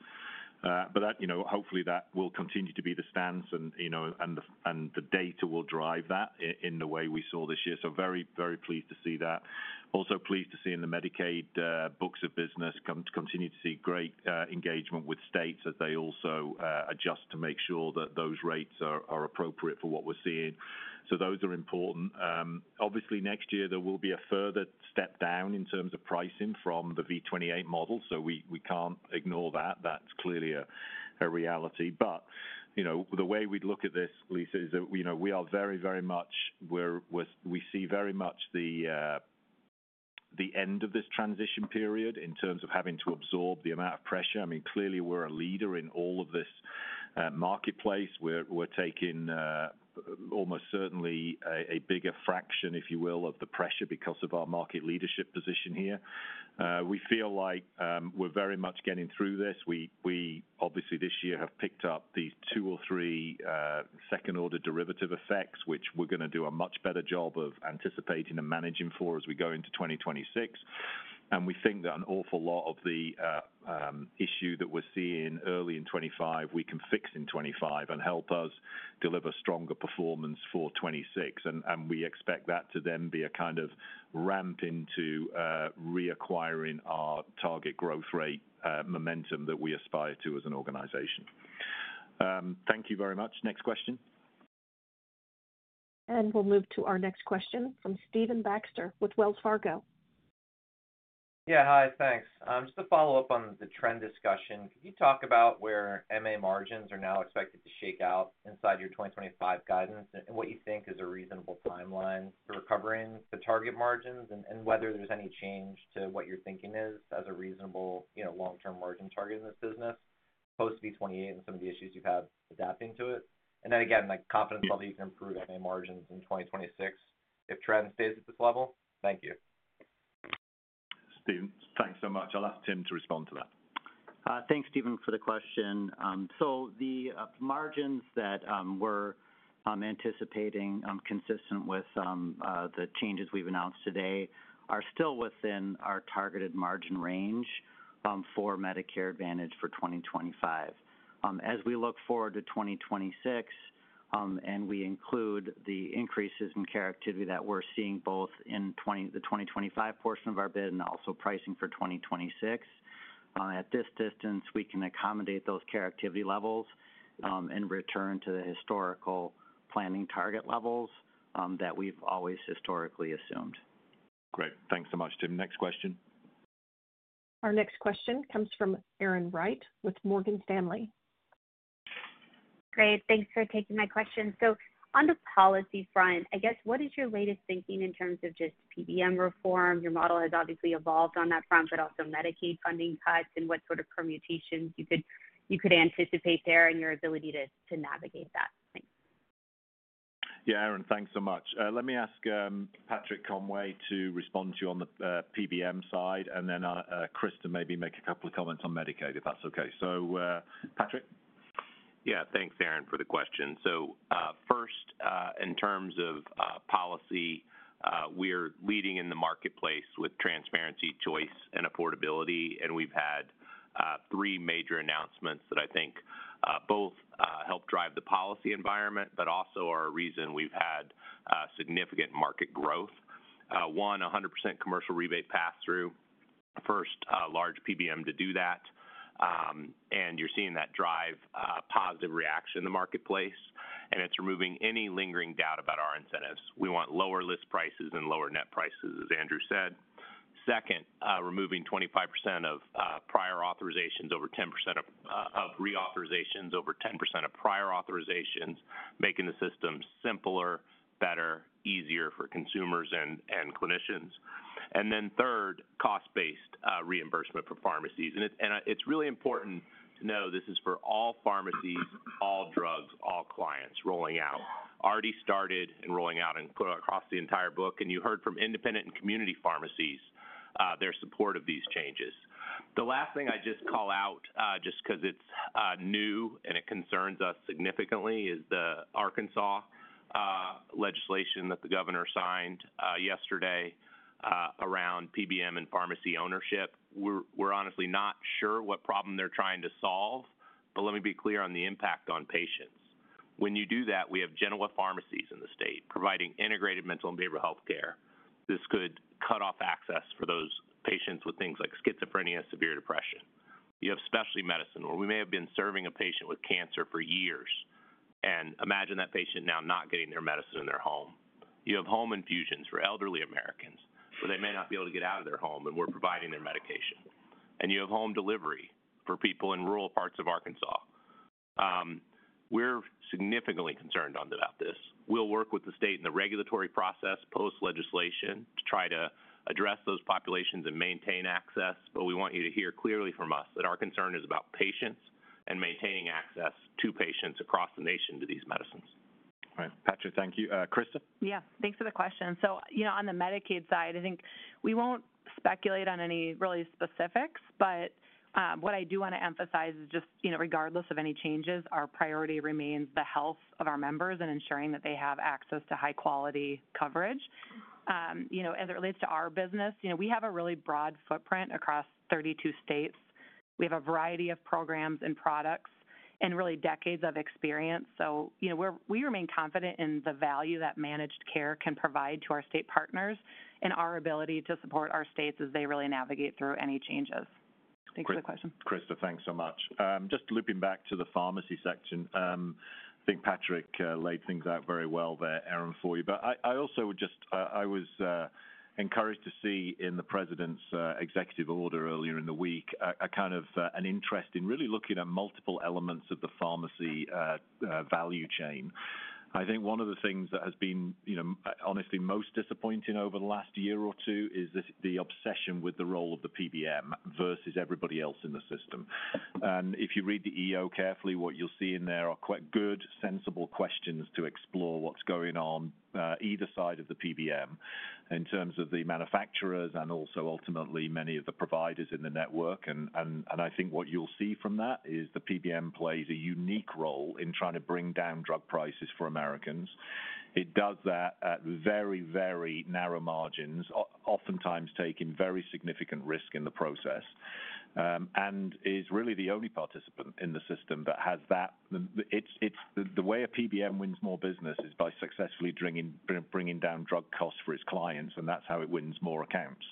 Hopefully, that will continue to be the stance, and the data will drive that in the way we saw this year. Very, very pleased to see that. Also pleased to see in the Medicaid books of business, continue to see great engagement with states as they also adjust to make sure that those rates are appropriate for what we're seeing. Those are important. Obviously, next year, there will be a further step down in terms of pricing from the V28 model. We can't ignore that. That's clearly a reality. The way we'd look at this, Lisa, is that we are very, very much we see very much the end of this transition period in terms of having to absorb the amount of pressure. I mean, clearly, we're a leader in all of this marketplace. We're taking almost certainly a bigger fraction, if you will, of the pressure because of our market leadership position here. We feel like we're very much getting through this. We, obviously, this year have picked up these two or three second-order derivative effects, which we're going to do a much better job of anticipating and managing for as we go into 2026. We think that an awful lot of the issue that we're seeing early in 2025, we can fix in 2025 and help us deliver stronger performance for 2026. We expect that to then be a kind of ramp into reacquiring our target growth rate momentum that we aspire to as an organization. Thank you very much. Next question. We will move to our next question from Stephen Baxter with Wells Fargo. Yeah. Hi, thanks. Just to follow up on the trend discussion, could you talk about where MA margins are now expected to shake out inside your 2025 guidance and what you think is a reasonable timeline for recovering the target margins and whether there's any change to what you're thinking is as a reasonable long-term margin target in this business post V28 and some of the issues you've had adapting to it? Again, confidence level you can improve MA margins in 2026 if trend stays at this level. Thank you. Steven, thanks so much. I'll ask Tim to respond to that. Thanks, Steven, for the question. The margins that we're anticipating consistent with the changes we've announced today are still within our targeted margin range for Medicare Advantage for 2025. As we look forward to 2026, and we include the increases in care activity that we're seeing both in the 2025 portion of our bid and also pricing for 2026, at this distance, we can accommodate those care activity levels and return to the historical planning target levels that we've always historically assumed. Great. Thanks so much, Tim. Next question. Our next question comes from Aaron Wright with Morgan Stanley. Great. Thanks for taking my question. On the policy front, I guess, what is your latest thinking in terms of just PBM reform? Your model has obviously evolved on that front, but also Medicaid funding cuts and what sort of permutations you could anticipate there and your ability to navigate that. Thanks. Yeah, Aaron, thanks so much. Let me ask Patrick Conway to respond to you on the PBM side, and then Chris can maybe make a couple of comments on Medicaid, if that's okay. Patrick? Yeah. Thanks, Aaron, for the question. First, in terms of policy, we're leading in the marketplace with transparency, choice, and affordability. We've had three major announcements that I think both help drive the policy environment, but also are a reason we've had significant market growth. One, 100% commercial rebate pass-through. First large PBM to do that. You're seeing that drive positive reaction in the marketplace. It's removing any lingering doubt about our incentives. We want lower list prices and lower net prices, as Andrew said. Second, removing 25% of prior authorizations, over 10% of reauthorizations, over 10% of prior authorizations, making the system simpler, better, easier for consumers and clinicians. Third, cost-based reimbursement for pharmacies. It's really important to know this is for all pharmacies, all drugs, all clients rolling out. Already started and rolling out and put across the entire book. You heard from independent and community pharmacies, their support of these changes. The last thing I just call out, just because it's new and it concerns us significantly, is the Arkansas legislation that the governor signed yesterday around PBM and pharmacy ownership. We're honestly not sure what problem they're trying to solve, but let me be clear on the impact on patients. When you do that, we have Genoa Pharmacies in the state providing integrated mental and behavioral healthcare. This could cut off access for those patients with things like schizophrenia, severe depression. You have specialty medicine, where we may have been serving a patient with cancer for years, and imagine that patient now not getting their medicine in their home. You have home infusions for elderly Americans, where they may not be able to get out of their home, and we're providing their medication. You have home delivery for people in rural parts of Arkansas. We are significantly concerned about this. We will work with the state in the regulatory process post-legislation to try to address those populations and maintain access. We want you to hear clearly from us that our concern is about patients and maintaining access to patients across the nation to these medicines. All right. Patrick, thank you. Christa? Yeah. Thanks for the question. On the Medicaid side, I think we won't speculate on any really specifics. What I do want to emphasize is just regardless of any changes, our priority remains the health of our members and ensuring that they have access to high-quality coverage. As it relates to our business, we have a really broad footprint across 32 states. We have a variety of programs and products and really decades of experience. We remain confident in the value that managed care can provide to our state partners and our ability to support our states as they really navigate through any changes. Thanks for the question. Christa, thanks so much. Just looping back to the pharmacy section, I think Patrick laid things out very well there, Aaron, for you. I also would just say I was encouraged to see in the president's executive order earlier in the week a kind of an interest in really looking at multiple elements of the pharmacy value chain. I think one of the things that has been honestly most disappointing over the last year or two is the obsession with the role of the PBM versus everybody else in the system. If you read the EO carefully, what you'll see in there are quite good, sensible questions to explore what's going on either side of the PBM in terms of the manufacturers and also ultimately many of the providers in the network. I think what you'll see from that is the PBM plays a unique role in trying to bring down drug prices for Americans. It does that at very, very narrow margins, oftentimes taking very significant risk in the process, and is really the only participant in the system that has that. The way a PBM wins more business is by successfully bringing down drug costs for its clients, and that's how it wins more accounts.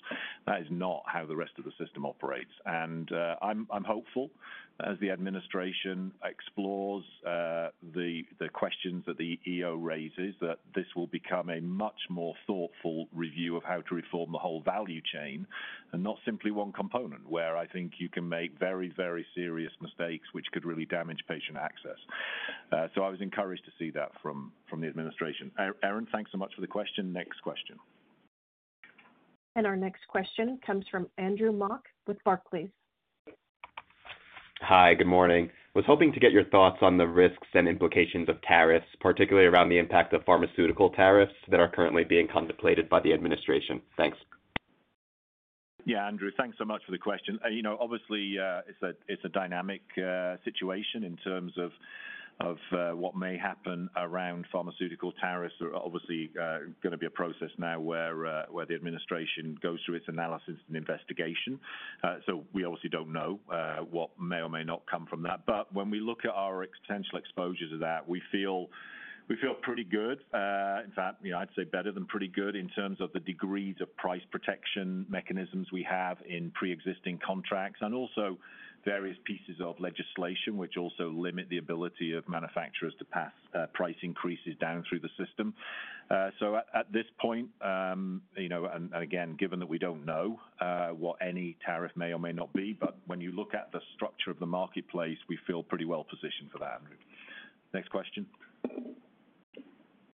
That is not how the rest of the system operates. I'm hopeful as the administration explores the questions that the EO raises, that this will become a much more thoughtful review of how to reform the whole value chain and not simply one component where I think you can make very, very serious mistakes which could really damage patient access. I was encouraged to see that from the administration. Aaron, thanks so much for the question. Next question. Our next question comes from Andrew Mak with Barclays. Hi, good morning. I was hoping to get your thoughts on the risks and implications of tariffs, particularly around the impact of pharmaceutical tariffs that are currently being contemplated by the administration. Thanks. Yeah, Andrew, thanks so much for the question. Obviously, it's a dynamic situation in terms of what may happen around pharmaceutical tariffs. It's going to be a process now where the administration goes through its analysis and investigation. We obviously don't know what may or may not come from that. When we look at our potential exposure to that, we feel pretty good. In fact, I'd say better than pretty good in terms of the degrees of price protection mechanisms we have in pre-existing contracts and also various pieces of legislation which also limit the ability of manufacturers to pass price increases down through the system. At this point, and again, given that we don't know what any tariff may or may not be, when you look at the structure of the marketplace, we feel pretty well positioned for that, Andrew. Next question.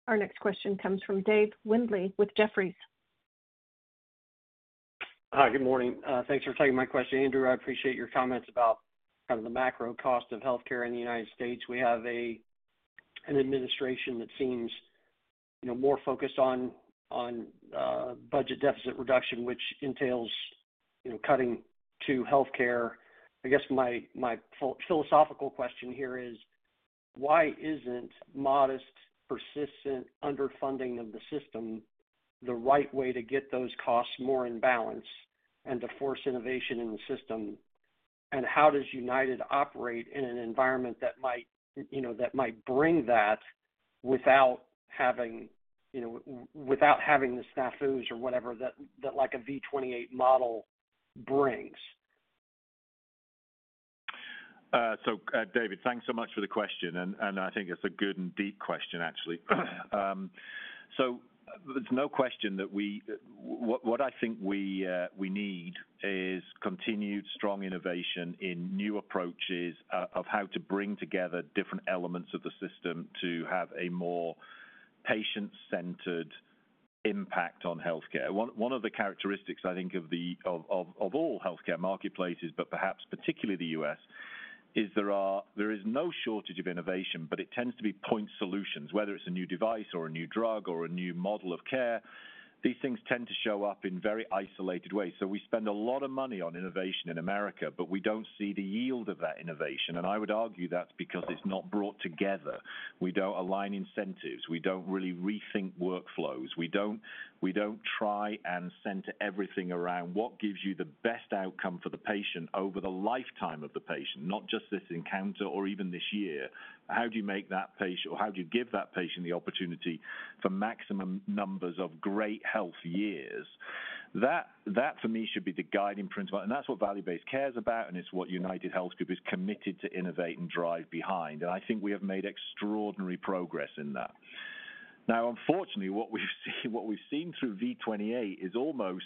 Our next question comes from Dave Windley with Jefferies. Hi, good morning. Thanks for taking my question, Andrew. I appreciate your comments about kind of the macro cost of healthcare in the United States. We have an administration that seems more focused on budget deficit reduction, which entails cutting to healthcare. I guess my philosophical question here is, why isn't modest, persistent underfunding of the system the right way to get those costs more in balance and to force innovation in the system? How does United operate in an environment that might bring that without having the snafus or whatever that a V28 model brings? David, thanks so much for the question. I think it's a good and deep question, actually. There's no question that what I think we need is continued strong innovation in new approaches of how to bring together different elements of the system to have a more patient-centered impact on healthcare. One of the characteristics, I think, of all healthcare marketplaces, but perhaps particularly the U.S., is there is no shortage of innovation, but it tends to be point solutions, whether it's a new device or a new drug or a new model of care. These things tend to show up in very isolated ways. We spend a lot of money on innovation in America, but we don't see the yield of that innovation. I would argue that's because it's not brought together. We don't align incentives. We don't really rethink workflows. We do not try and center everything around what gives you the best outcome for the patient over the lifetime of the patient, not just this encounter or even this year. How do you make that patient or how do you give that patient the opportunity for maximum numbers of great health years? That, for me, should be the guiding principle. That is what Value-Based Care is about, and it is what UnitedHealth Group is committed to innovate and drive behind. I think we have made extraordinary progress in that. Now, unfortunately, what we have seen through V28 is almost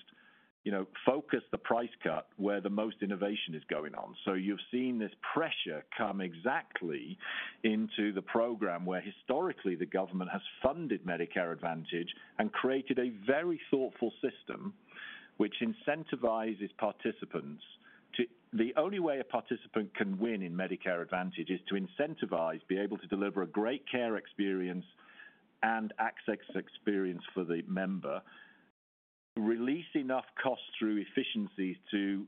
focus the price cut where the most innovation is going on. You've seen this pressure come exactly into the program where historically the government has funded Medicare Advantage and created a very thoughtful system which incentivizes participants to the only way a participant can win in Medicare Advantage is to incentivize, be able to deliver a great care experience and access experience for the member, release enough costs through efficiencies to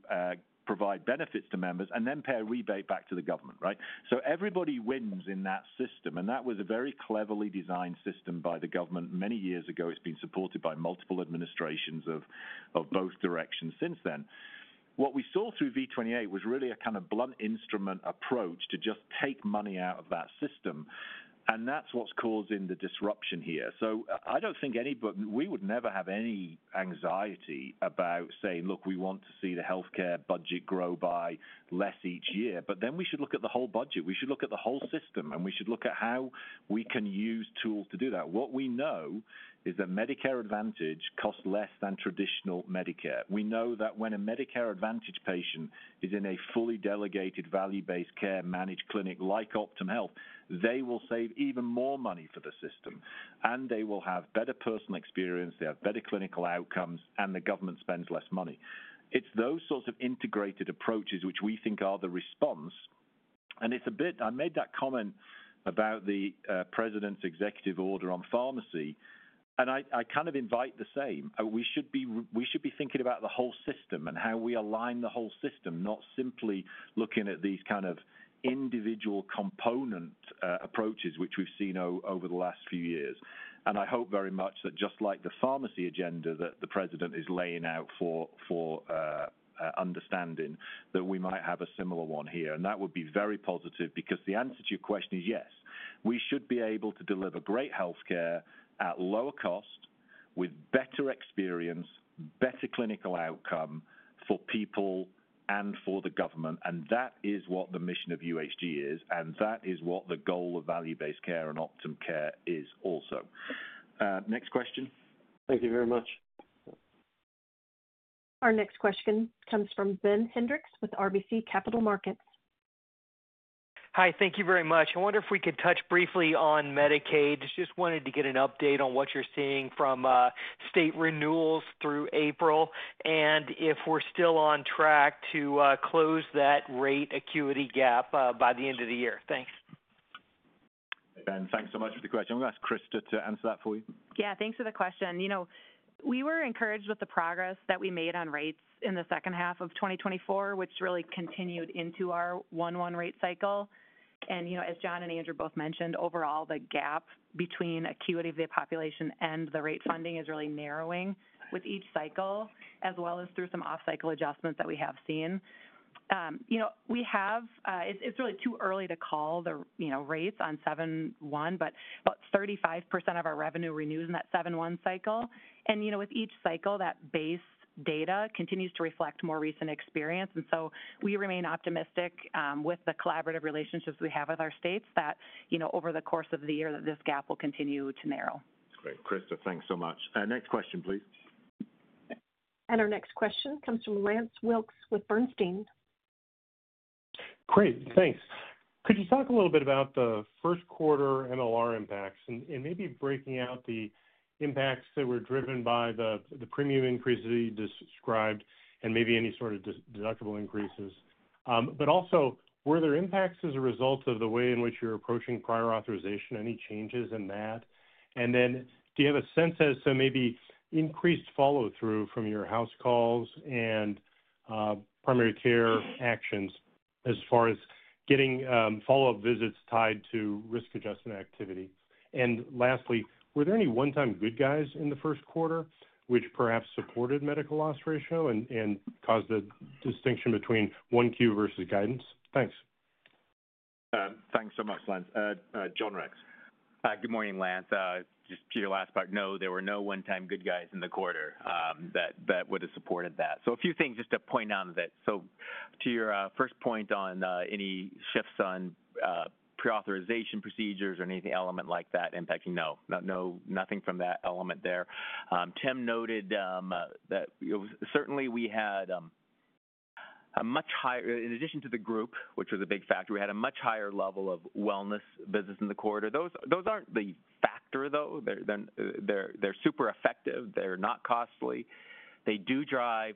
provide benefits to members, and then pay a rebate back to the government, right? Everybody wins in that system. That was a very cleverly designed system by the government many years ago. It's been supported by multiple administrations of both directions since then. What we saw through V28 was really a kind of blunt instrument approach to just take money out of that system. That's what's causing the disruption here. I don't think anybody, we would never have any anxiety about saying, "Look, we want to see the healthcare budget grow by less each year." We should look at the whole budget. We should look at the whole system, and we should look at how we can use tools to do that. What we know is that Medicare Advantage costs less than traditional Medicare. We know that when a Medicare Advantage patient is in a fully delegated value-based care managed clinic like Optum Health, they will save even more money for the system, and they will have better personal experience, they have better clinical outcomes, and the government spends less money. It's those sorts of integrated approaches which we think are the response. I made that comment about the president's executive order on pharmacy, and I kind of invite the same. We should be thinking about the whole system and how we align the whole system, not simply looking at these kind of individual component approaches which we've seen over the last few years. I hope very much that just like the pharmacy agenda that the president is laying out for understanding, that we might have a similar one here. That would be very positive because the answer to your question is yes. We should be able to deliver great healthcare at lower cost with better experience, better clinical outcome for people and for the government. That is what the mission of UnitedHealth Group is, and that is what the goal of value-based care and Optum Care is also. Next question. Thank you very much. Our next question comes from Ben Hendrix with RBC Capital Markets. Hi, thank you very much. I wonder if we could touch briefly on Medicaid. Just wanted to get an update on what you're seeing from state renewals through April and if we're still on track to close that rate acuity gap by the end of the year. Thanks. Ben, thanks so much for the question. I'm going to ask Christa to answer that for you. Yeah, thanks for the question. We were encouraged with the progress that we made on rates in the second half of 2024, which really continued into our one-to-one rate cycle. As John and Andrew both mentioned, overall, the gap between acuity of the population and the rate funding is really narrowing with each cycle, as well as through some off-cycle adjustments that we have seen. It's really too early to call the rates on 7/1, but about 35% of our revenue renews in that 7/1 cycle. With each cycle, that base data continues to reflect more recent experience. We remain optimistic with the collaborative relationships we have with our states that over the course of the year, this gap will continue to narrow. Great. Christa, thanks so much. Next question, please. Our next question comes from Lance Wilkes with Bernstein. Great. Thanks. Could you talk a little bit about the first quarter MLR impacts and maybe breaking out the impacts that were driven by the premium increase that you described and maybe any sort of deductible increases? Also, were there impacts as a result of the way in which you're approaching prior authorization, any changes in that? Do you have a sense as to maybe increased follow-through from your House Calls and primary care actions as far as getting follow-up visits tied to risk-adjusted activity? Lastly, were there any one-time good guys in the first quarter which perhaps supported medical loss ratio and caused the distinction between one Q versus guidance? Thanks. Thanks so much, Lance. John Rex. Good morning, Lance. Just to your last part, no, there were no one-time good guys in the quarter that would have supported that. A few things just to point out of it. To your first point on any shifts on pre-authorization procedures or any element like that impacting, no, nothing from that element there. Tim noted that certainly we had a much higher in addition to the group, which was a big factor, we had a much higher level of wellness visits in the quarter. Those are not the factor, though. They are super effective. They are not costly. They do drive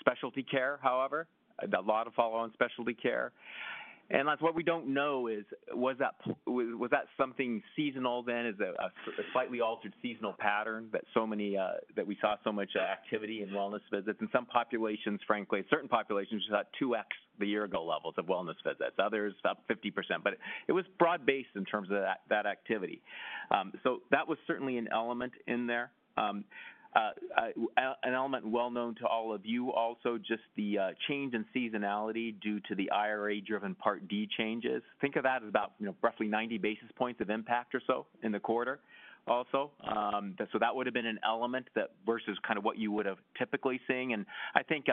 specialty care, however, a lot of follow-on specialty care. What we do not know is, was that something seasonal then? Is it a slightly altered seasonal pattern that we saw so much activity in wellness visits? In some populations, frankly, certain populations just had 2x the year-ago levels of wellness visits. Others stopped 50%. It was broad-based in terms of that activity. That was certainly an element in there, an element well known to all of you. Also, just the change in seasonality due to the IRA-driven Part D changes. Think of that as about roughly 90 basis points of impact or so in the quarter also. That would have been an element versus kind of what you would have typically seen. I think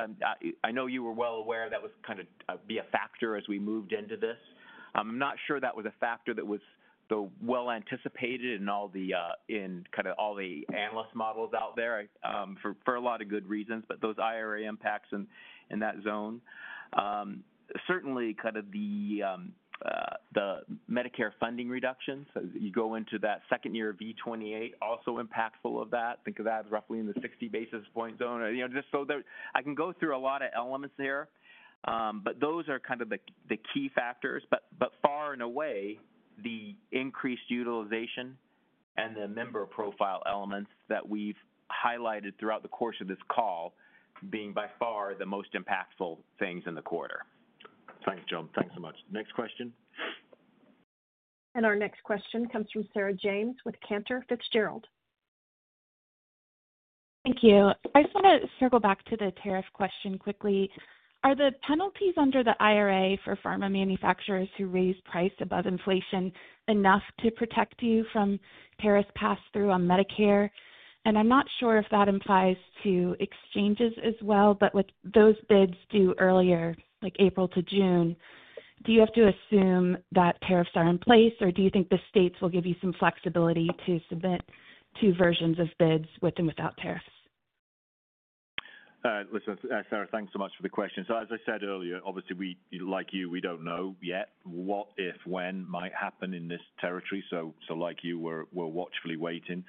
I know you were well aware that was kind of be a factor as we moved into this. I'm not sure that was a factor that was well anticipated in kind of all the analyst models out there for a lot of good reasons, but those IRA impacts in that zone. Certainly, kind of the Medicare funding reductions, you go into that second year of V28, also impactful of that. Think of that as roughly in the 60 basis point zone. Just so I can go through a lot of elements here, those are kind of the key factors. Far and away, the increased utilization and the member profile elements that we've highlighted throughout the course of this call being by far the most impactful things in the quarter. Thanks, John. Thanks so much. Next question. Our next question comes from Sarah James with Cantor Fitzgerald. Thank you. I just want to circle back to the tariff question quickly. Are the penalties under the IRA for pharma manufacturers who raise price above inflation enough to protect you from tariffs passed through on Medicare? I am not sure if that implies to exchanges as well, but with those bids due earlier, like April to June, do you have to assume that tariffs are in place, or do you think the states will give you some flexibility to submit two versions of bids with and without tariffs? Listen, Sarah, thanks so much for the question. As I said earlier, obviously, like you, we do not know yet what, if, when might happen in this territory. Like you, we are watchfully waiting.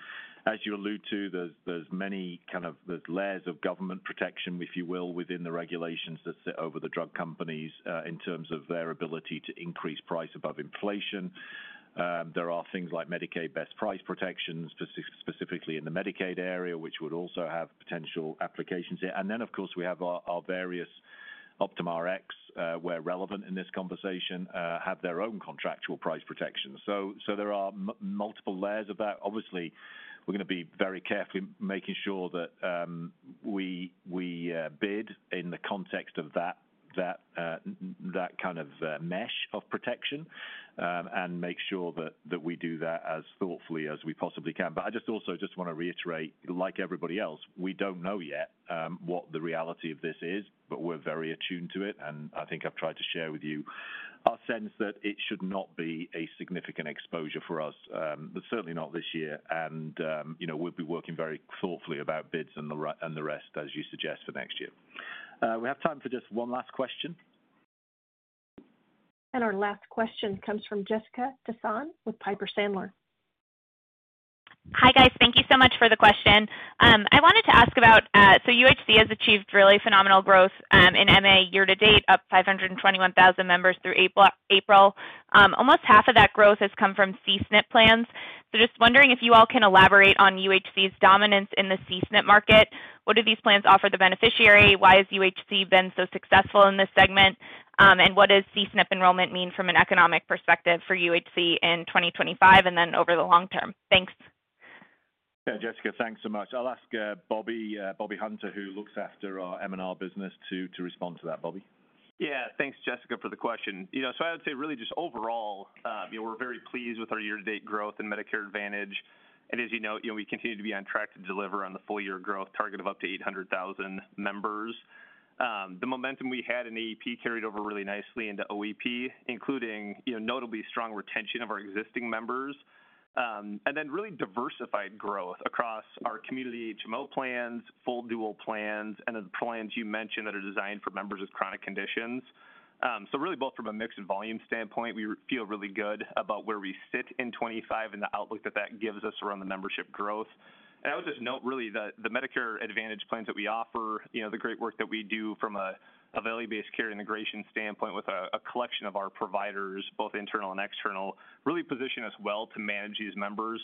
As you allude to, there are many kind of layers of government protection, if you will, within the regulations that sit over the drug companies in terms of their ability to increase price above inflation. There are things like Medicaid best price protections, specifically in the Medicaid area, which would also have potential applications here. Of course, we have our various Optum Rx, where relevant in this conversation, have their own contractual price protections. There are multiple layers of that. Obviously, we're going to be very carefully making sure that we bid in the context of that kind of mesh of protection and make sure that we do that as thoughtfully as we possibly can. I just also just want to reiterate, like everybody else, we don't know yet what the reality of this is, but we're very attuned to it. I think I've tried to share with you our sense that it should not be a significant exposure for us, certainly not this year. We'll be working very thoughtfully about bids and the rest, as you suggest, for next year. We have time for just one last question. Our last question comes from Jessica Tassan with Piper Sandler. Hi guys. Thank you so much for the question. I wanted to ask about, UHC has achieved really phenomenal growth in MA year to date, up 521,000 members through April. Almost half of that growth has come from CSNP plans. Just wondering if you all can elaborate on UHC's dominance in the CSNP market. What do these plans offer the beneficiary? Why has UHC been so successful in this segment? What does CSNP enrollment mean from an economic perspective for UHC in 2025 and then over the long term? Thanks. Yeah, Jessica, thanks so much. I'll ask Bobby Hunter, who looks after our M&R business, to respond to that, Bobby. Yeah, thanks, Jessica, for the question. I would say really just overall, we're very pleased with our year-to-date growth in Medicare Advantage. As you know, we continue to be on track to deliver on the full-year growth target of up to 800,000 members. The momentum we had in AEP carried over really nicely into OEP, including notably strong retention of our existing members, and then really diversified growth across our community HMO plans, full dual plans, and the plans you mentioned that are designed for members with chronic conditions. Really, both from a mixed volume standpoint, we feel really good about where we sit in 2025 and the outlook that that gives us around the membership growth. I would just note really that the Medicare Advantage plans that we offer, the great work that we do from a value-based care integration standpoint with a collection of our providers, both internal and external, really position us well to manage these members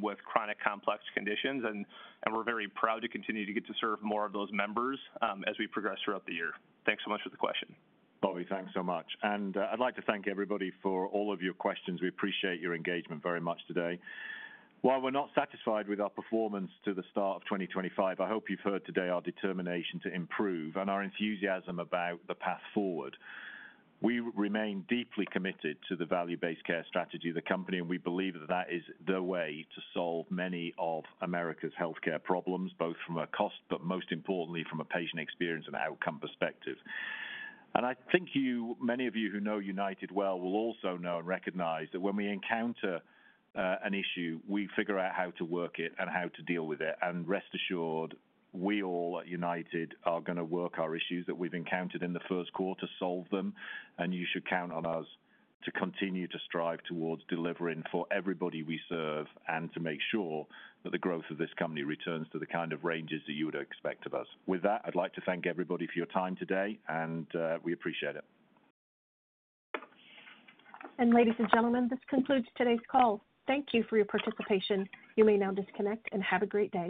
with chronic complex conditions. We are very proud to continue to get to serve more of those members as we progress throughout the year. Thanks so much for the question. Bobby, thanks so much. I would like to thank everybody for all of your questions. We appreciate your engagement very much today. While we are not satisfied with our performance to the start of 2025, I hope you have heard today our determination to improve and our enthusiasm about the path forward. We remain deeply committed to the value-based care strategy of the company, and we believe that that is the way to solve many of America's healthcare problems, both from a cost, but most importantly, from a patient experience and outcome perspective. I think many of you who know UnitedHealth Group well will also know and recognize that when we encounter an issue, we figure out how to work it and how to deal with it. Rest assured, we all at United are going to work our issues that we've encountered in the first quarter, solve them, and you should count on us to continue to strive towards delivering for everybody we serve and to make sure that the growth of this company returns to the kind of ranges that you would expect of us. With that, I'd like to thank everybody for your time today, and we appreciate it. Ladies and gentlemen, this concludes today's call. Thank you for your participation. You may now disconnect and have a great day.